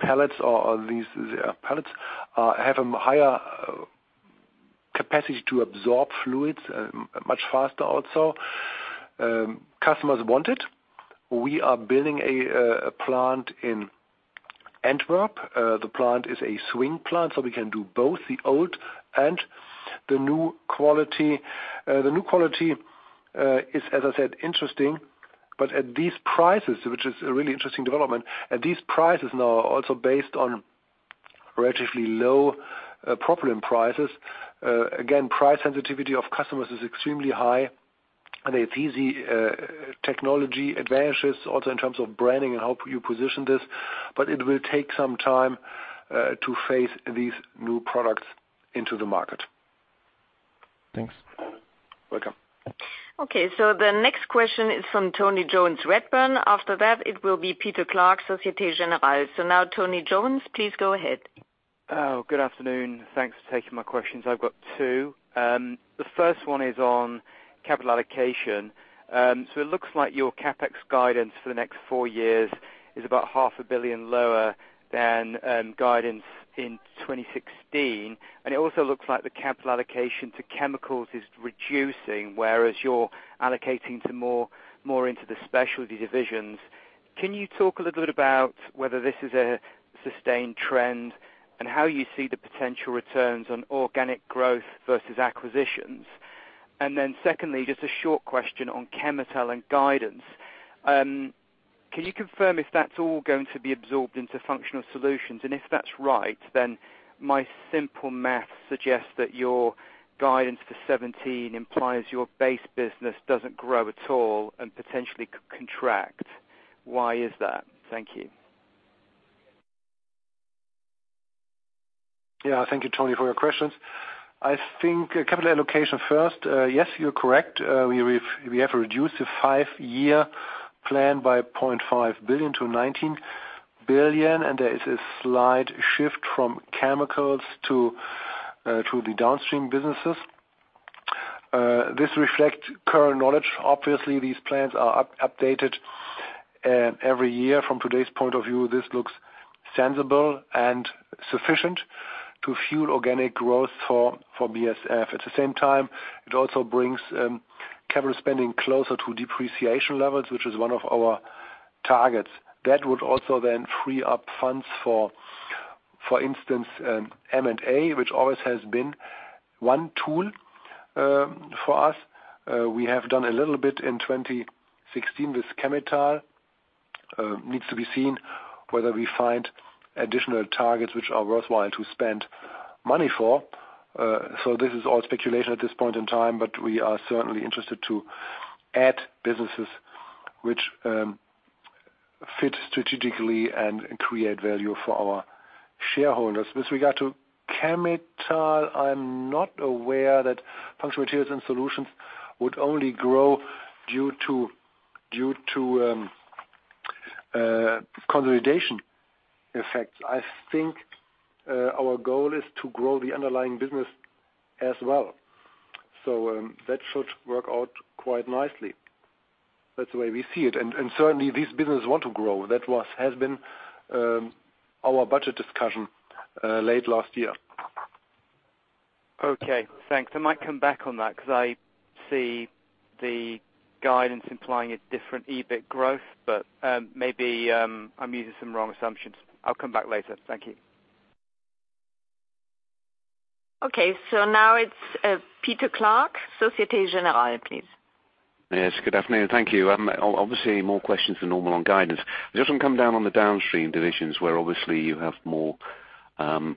These pellets have a higher capacity to absorb fluids, much faster also. Customers want it. We are building a plant in Antwerp. The plant is a swing plant, so we can do both the old and the new quality. The new quality is, as I said, interesting, but at these prices, which is a really interesting development, at these prices now also based on relatively low propylene prices, again, price sensitivity of customers is extremely high, and it's easy, technology advances also in terms of branding and how you position this, but it will take some time to phase these new products into the market. Thanks. Welcome. Okay. The next question is from Tony Jones, Redburn. After that, it will be Peter Clark, Société Générale. Now Tony Jones, please go ahead. Oh, good afternoon. Thanks for taking my questions. I've got two. The first one is on capital allocation. So it looks like your CapEx guidance for the next four years is about EUR half a billion lower than guidance in 2016. It also looks like the capital allocation to chemicals is reducing, whereas you're allocating more into the specialty divisions. Can you talk a little bit about whether this is a sustained trend and how you see the potential returns on organic growth versus acquisitions? Then secondly, just a short question on Chemetall and guidance. Can you confirm if that's all going to be absorbed into functional solutions? If that's right, then my simple math suggests that your guidance for 2017 implies your base business doesn't grow at all and potentially could contract. Why is that? Thank you. Yeah. Thank you, Tony, for your questions. I think capital allocation first, yes, you're correct. We have reduced the five-year plan by 0.5 billion-19 billion, and there is a slight shift from chemicals to the downstream businesses. This reflects current knowledge. Obviously, these plans are updated every year. From today's point of view, this looks sensible and sufficient to fuel organic growth for BASF. At the same time, it also brings capital spending closer to depreciation levels, which is one of our targets. That would also then free up funds for instance, M&A, which always has been one tool for us. We have done a little bit in 2016 with Chemetall. It needs to be seen whether we find additional targets which are worthwhile to spend money for. This is all speculation at this point in time, but we are certainly interested to add businesses which fit strategically and create value for our shareholders. With regard to Chemetall, I'm not aware that Functional Materials and Solutions would only grow due to consolidation effects. I think our goal is to grow the underlying business as well. That should work out quite nicely. That's the way we see it. Certainly these businesses want to grow. That has been our budget discussion late last year. Okay. Thanks. I might come back on that because I see the guidance implying a different EBIT growth, but maybe I'm using some wrong assumptions. I'll come back later. Thank you. Okay, now it's Peter Clark, Société Générale, please. Yes, good afternoon. Thank you. Obviously more questions than normal on guidance. I just want to come down on the downstream divisions where obviously you have more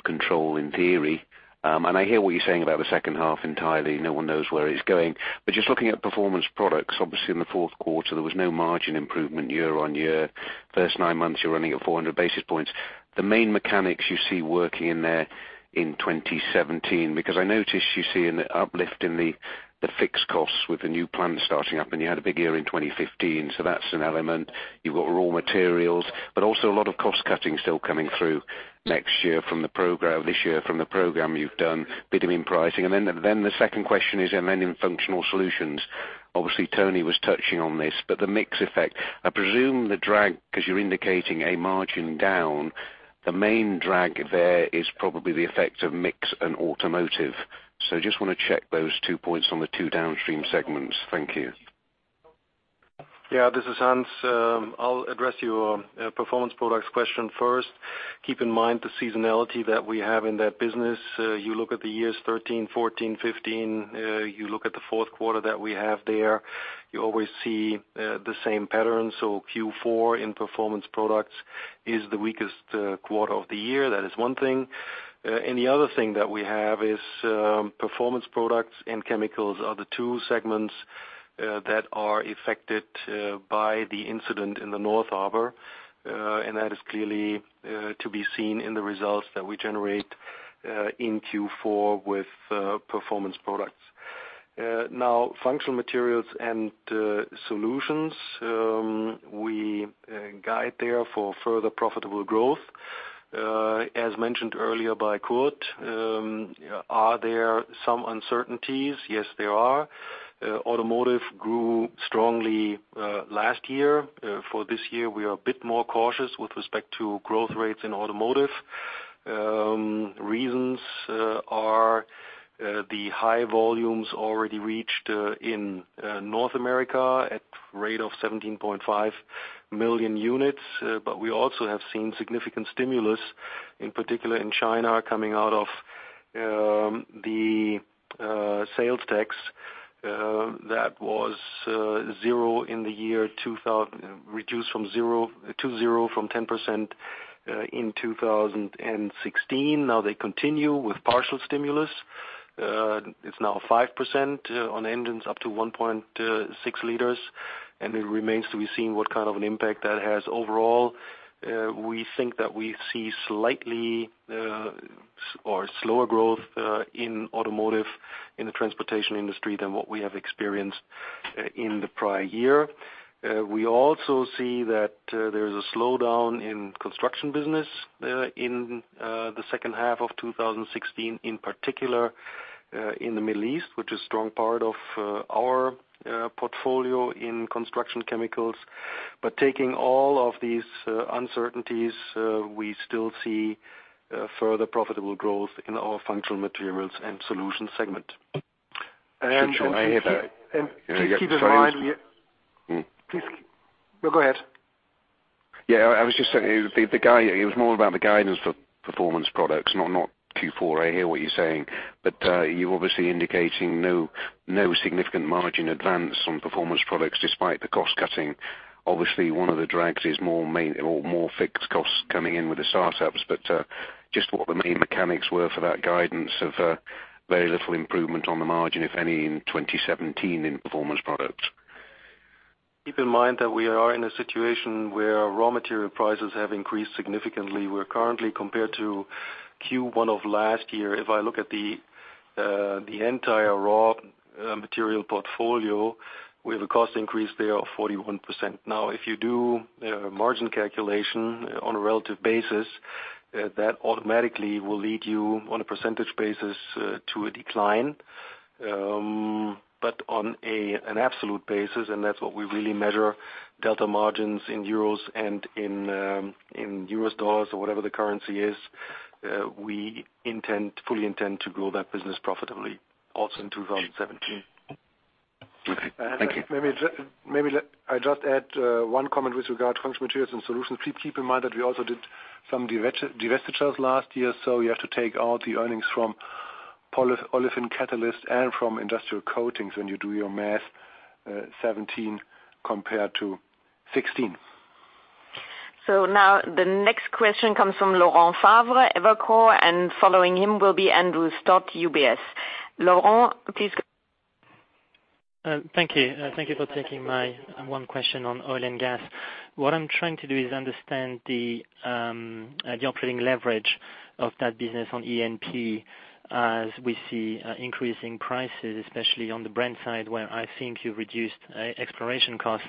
control in theory. I hear what you're saying about the second half entirely. No one knows where it's going. Just looking at Performance Products, obviously in the fourth quarter, there was no margin improvement year-on-year. First nine months, you're running at 400 basis points. The main mechanics you see working in there in 2017, because I noticed you see an uplift in the fixed costs with the new plant starting up, and you had a big year in 2015. That's an element. You've got raw materials, but also a lot of cost cutting still coming through next year from the program this year from the program you've done, bitumen pricing. The second question is in Functional Solutions. Obviously Tony was touching on this, but the mix effect, I presume the drag, cause you're indicating a margin down. The main drag there is probably the effect of mix and Automotive. Just wanna check those two points on the two downstream segments. Thank you. Yeah, this is Hans. I'll address your Performance Products question first. Keep in mind the seasonality that we have in that business. You look at the years 2013, 2014, 2015, you look at the fourth quarter that we have there, you always see the same pattern. Q4 in Performance Products is the weakest quarter of the year. That is one thing. The other thing that we have is, Performance Products and chemicals are the two segments that are affected by the incident in the North Harbor, and that is clearly to be seen in the results that we generate in Q4 with Performance Products. Now, Functional Materials and Solutions, we guide there for further profitable growth. As mentioned earlier by Kurt, are there some uncertainties? Yes, there are. Automotive grew strongly last year. For this year, we are a bit more cautious with respect to growth rates in automotive. Reasons are the high volumes already reached in North America at rate of 17.5 million units. We also have seen significant stimulus, in particular in China, coming out of the sales tax that was reduced from 10% to zero in 2016. Now they continue with partial stimulus. It's now 5% on engines up to 1.6 liters, and it remains to be seen what kind of an impact that has. Overall, we think that we see slightly slower growth in automotive, in the transportation industry than what we have experienced in the prior year. We also see that there's a slowdown in construction business in the second half of 2016, in particular, in the Middle East, which is strong part of our portfolio in construction chemicals. Taking all of these uncertainties, we still see further profitable growth in our Functional Materials and Solutions segment. Keep in mind we Mm. No, go ahead. Yeah, I was just saying the guy, it was more about the guidance for Performance Products, not Q4. I hear what you're saying, but you're obviously indicating no significant margin advance on Performance Products despite the cost-cutting. Obviously, one of the drags is more manpower or more fixed costs coming in with the startups. Just what the main mechanics were for that guidance of very little improvement on the margin, if any, in 2017 in Performance Products. Keep in mind that we are in a situation where raw material prices have increased significantly. We're currently compared to Q1 of last year. If I look at the entire raw material portfolio, we have a cost increase there of 41%. Now, if you do margin calculation on a relative basis, that automatically will lead you on a percentage basis to a decline. On an absolute basis, and that's what we really measure delta margins in euros and in U.S. dollars or whatever the currency is, we fully intend to grow that business profitably also in 2017. Okay. Thank you. Maybe I just add one comment with regard to functional materials and solutions. Keep in mind that we also did some divestitures last year, so you have to take out the earnings from polyolefin catalyst and from industrial coatings when you do your math, 2017 compared to 2016. Now the next question comes from Laurent Favre, Evercore, and following him will be Andrew Stott, UBS. Laurent, please go. Thank you. Thank you for taking my one question on oil and gas. What I'm trying to do is understand the operating leverage of that business on E&P as we see increasing prices, especially on the Brent side, where I think you reduced exploration costs.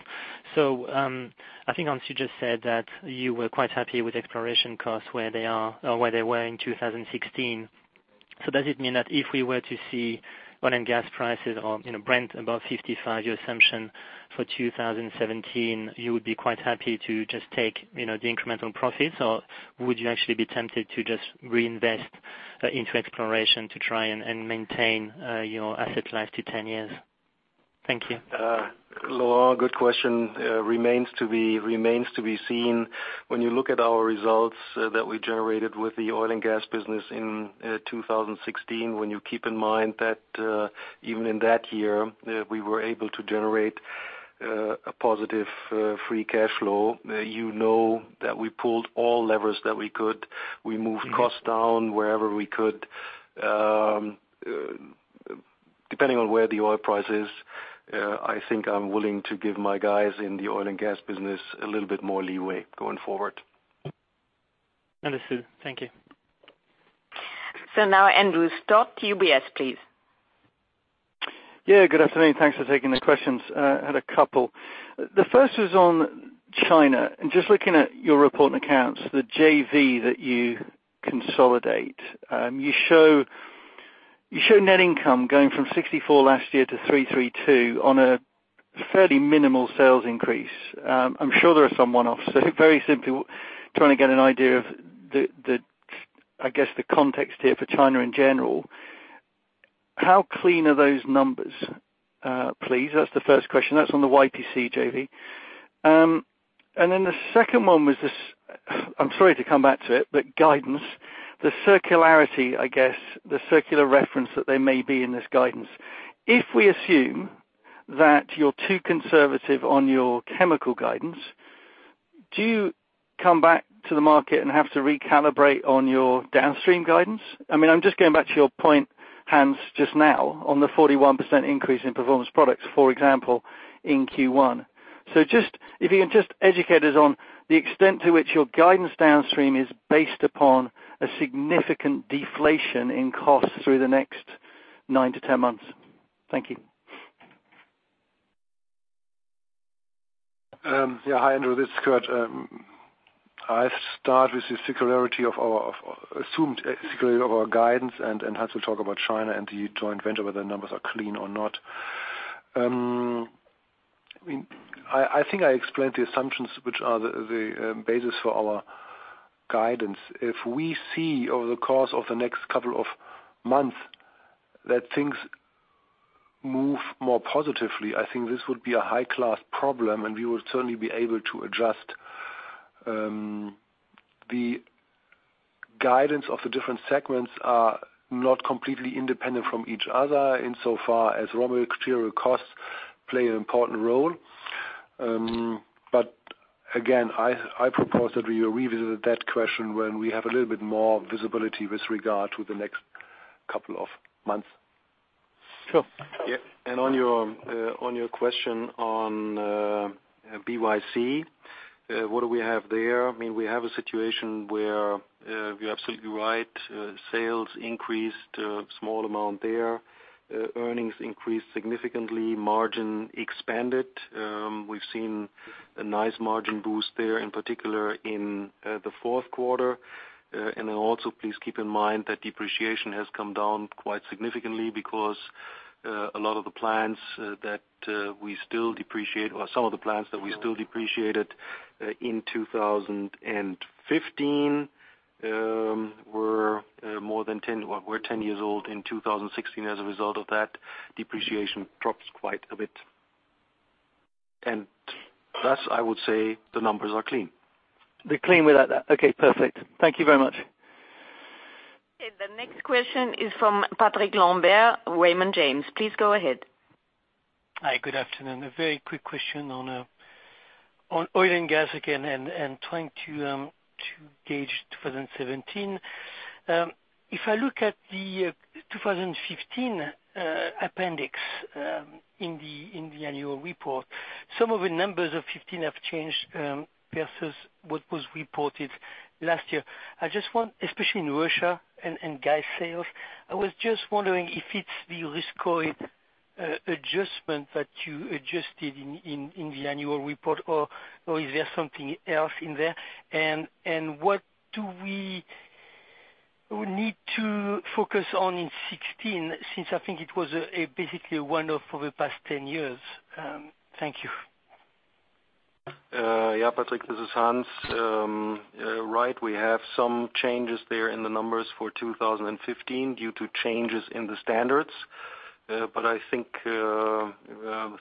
I think Hans, you just said that you were quite happy with exploration costs where they are or where they were in 2016. Does it mean that if we were to see oil and gas prices or, you know, Brent above $55, your assumption for 2017, you would be quite happy to just take, you know, the incremental profits? Or would you actually be tempted to just reinvest into exploration to try and maintain your asset life to 10 years? Thank you. Laurent, good question. Remains to be seen. When you look at our results that we generated with the oil and gas business in 2016, when you keep in mind that even in that year we were able to generate a positive free cash flow, you know that we pulled all levers that we could. We moved costs down wherever we could. Depending on where the oil price is, I think I'm willing to give my guys in the oil and gas business a little bit more leeway going forward. Understood. Thank you. Now Andrew Stott, UBS, please. Yeah, good afternoon. Thanks for taking the questions. Had a couple. The first is on China. Just looking at your report on accounts, the JV that you consolidate, you show net income going from 64 last year to 332 on a fairly minimal sales increase. I'm sure there are some one-offs so very simply trying to get an idea of, I guess, the context here for China in general. How clean are those numbers, please? That's the first question. That's on the YPC JV. Then the second one was this, I'm sorry to come back to it, but guidance. The circularity, I guess, the circular reference that there may be in this guidance. If we assume that you're too conservative on your chemical guidance, do you come back to the market and have to recalibrate on your downstream guidance? I mean, I'm just going back to your point, Hans, just now on the 41% increase in Performance Products, for example, in Q1. Just, if you can just educate us on the extent to which your guidance downstream is based upon a significant deflation in costs through the next 9-10 months. Thank you. Hi, Andrew, this is Kurt. I start with the circularity of our assumed security of our guidance, and Hans will talk about China and the joint venture, whether numbers are clean or not. I mean, I think I explained the assumptions which are the basis for our guidance. If we see over the course of the next couple of months that things move more positively, I think this would be a high class problem, and we will certainly be able to adjust. The guidance of the different segments are not completely independent from each other insofar as raw material costs play an important role. But again, I propose that we revisit that question when we have a little bit more visibility with regard to the next couple of months. Sure. Yeah. On your question on BYC, what do we have there? I mean, we have a situation where you're absolutely right, sales increased a small amount there. Earnings increased significantly, margin expanded. We've seen a nice margin boost there, in particular in the fourth quarter. Also please keep in mind that depreciation has come down quite significantly because a lot of the plants that we still depreciate or some of the plants that we still depreciated in 2015 were 10 years old in 2016. As a result of that, depreciation drops quite a bit. Thus, I would say the numbers are clean. They're clean without that. Okay, perfect. Thank you very much. Okay. The next question is from Patrick Lambert, Raymond James. Please go ahead. Hi, good afternoon. A very quick question on oil and gas again and trying to gauge 2017. If I look at the 2015 appendix in the annual report, some of the numbers of 2015 have changed versus what was reported last year. I just want, especially in Russia and gas sales, I was just wondering if it's the risk adjustment that you adjusted in the annual report or is there something else in there? What do we need to focus on in 2016 since I think it was basically a one-off for the past 10 years? Thank you. Patrick, this is Hans. Right. We have some changes there in the numbers for 2015 due to changes in the standards. I think,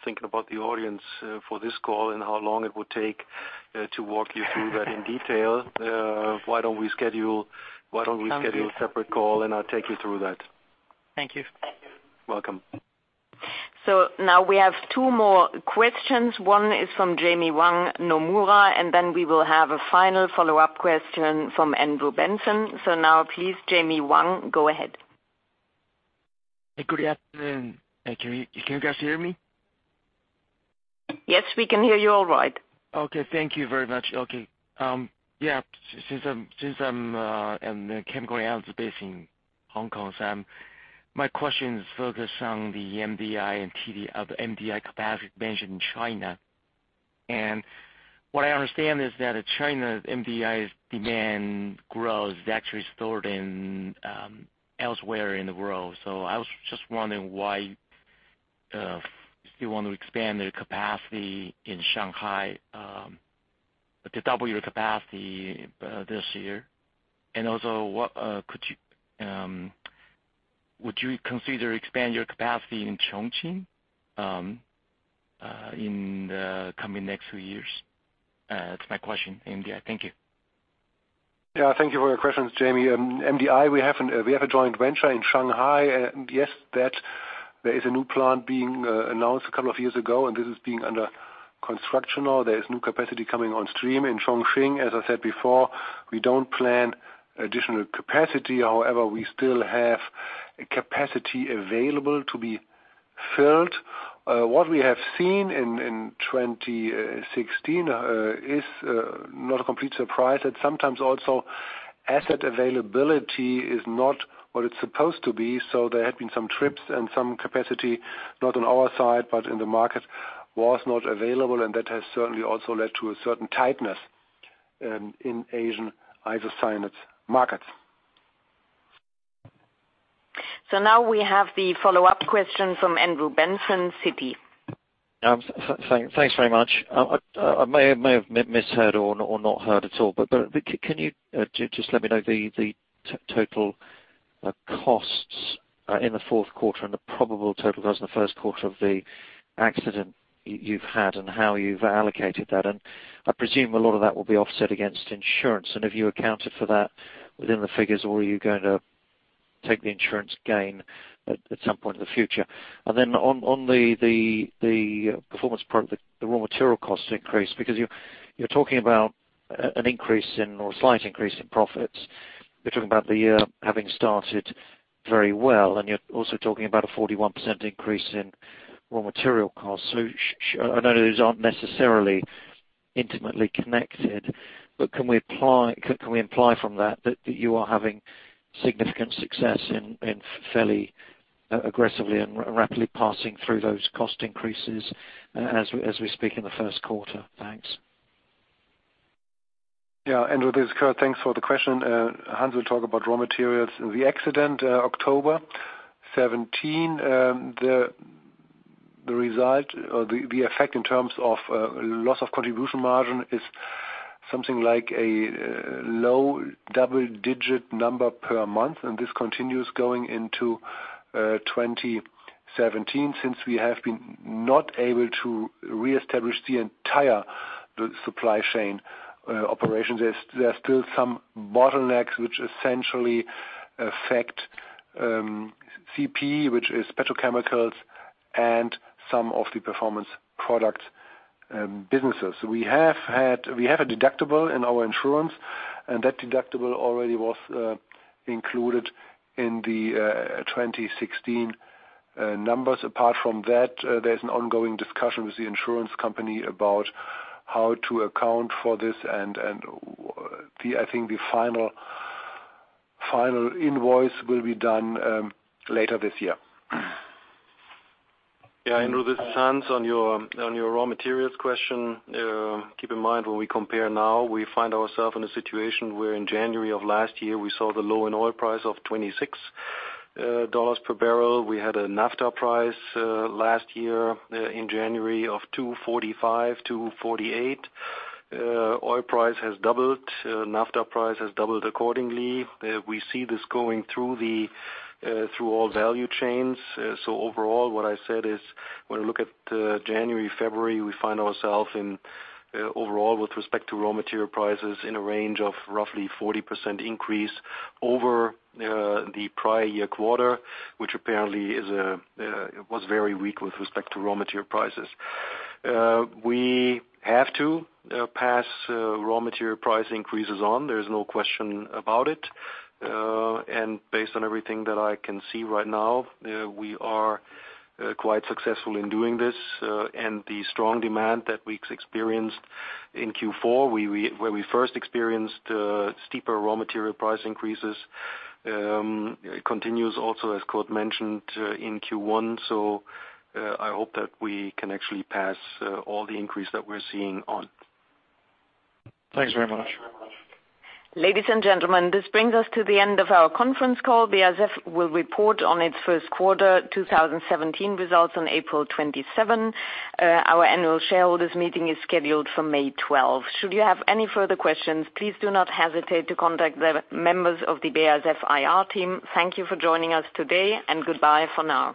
thinking about the audience for this call and how long it would take to walk you through that in detail, why don't we schedule a separate call and I'll take you through that. Thank you. Welcome. Now we have two more questions. One is from Jamie Wang, Nomura, and then we will have a final follow-up question from Andrew Benson. Now please, Jamie Wang, go ahead. Hey, good afternoon. Can you guys hear me? Yes, we can hear you all right. Okay. Thank you very much. Since I'm a chemical analyst based in Hong Kong, my question is focused on the MDI and TDI capacity mentioned in China. What I understand is that China's MDI demand growth is actually slower than elsewhere in the world. I was just wondering why you still want to expand the capacity in Shanghai to double your capacity this year. Would you consider expanding your capacity in Chongqing in the coming next few years? That's my question there. Thank you. Yeah. Thank you for your questions, Jamie. MDI, we have a joint venture in Shanghai. Yes, there is a new plant being announced a couple of years ago, and this is being under construction now. There is new capacity coming on stream in Chongqing. As I said before, we don't plan additional capacity. However, we still have capacity available to be filled. What we have seen in 2016 is not a complete surprise that sometimes also asset availability is not what it's supposed to be. There have been some trips and some capacity, not on our side, but in the market was not available. That has certainly also led to a certain tightness in Asian isocyanates markets. Now we have the follow-up question from Andrew Benson, Citi. Thanks very much. I may have misheard or not heard at all, but can you just let me know the total costs in the fourth quarter and the probable total cost in the first quarter of the accident you've had and how you've allocated that. I presume a lot of that will be offset against insurance. Have you accounted for that within the figures, or are you going to take the insurance gain at some point in the future? Then on the performance part, the raw material costs increase because you're talking about an increase in or a slight increase in profits. You're talking about the year having started very well, and you're also talking about a 41% increase in raw material costs. I know those aren't necessarily intimately connected. Can we imply from that that you are having significant success in fairly aggressively and rapidly passing through those cost increases as we speak in the first quarter? Thanks. Yeah, Andrew, this is Kurt. Thanks for the question. Hans will talk about raw materials. The accident, October 17, the result or the effect in terms of loss of contribution margin is something like a low double-digit number per month, and this continues going into 2017 since we have not been able to reestablish the entire supply chain operations. There are still some bottlenecks which essentially affect CP, which is petrochemicals and some of the performance product businesses. We have a deductible in our insurance, and that deductible already was included in the 2016 numbers. Apart from that, there's an ongoing discussion with the insurance company about how to account for this and the I think the final invoice will be done later this year. Yeah, Andrew, this is Hans. On your raw materials question, keep in mind when we compare now, we find ourselves in a situation where in January of last year, we saw the low in oil price of $26 per barrel. We had a naphtha price last year in January of 245, 248. Oil price has doubled. Naphtha price has doubled accordingly. We see this going through all value chains. Overall, what I said is when we look at January, February, we find ourselves overall with respect to raw material prices in a range of roughly 40% increase over the prior year quarter, which apparently was very weak with respect to raw material prices. We have to pass raw material price increases on. There's no question about it. Based on everything that I can see right now, we are quite successful in doing this, and the strong demand that we experienced in Q4, when we first experienced steeper raw material price increases, continues also, as Kurt mentioned, in Q1. I hope that we can actually pass all the increase that we're seeing on. Thanks very much. Ladies and gentlemen, this brings us to the end of our conference call. BASF will report on its first quarter 2017 results on April 27. Our annual shareholders meeting is scheduled for May 12. Should you have any further questions, please do not hesitate to contact the members of the BASF IR team. Thank you for joining us today, and goodbye for now.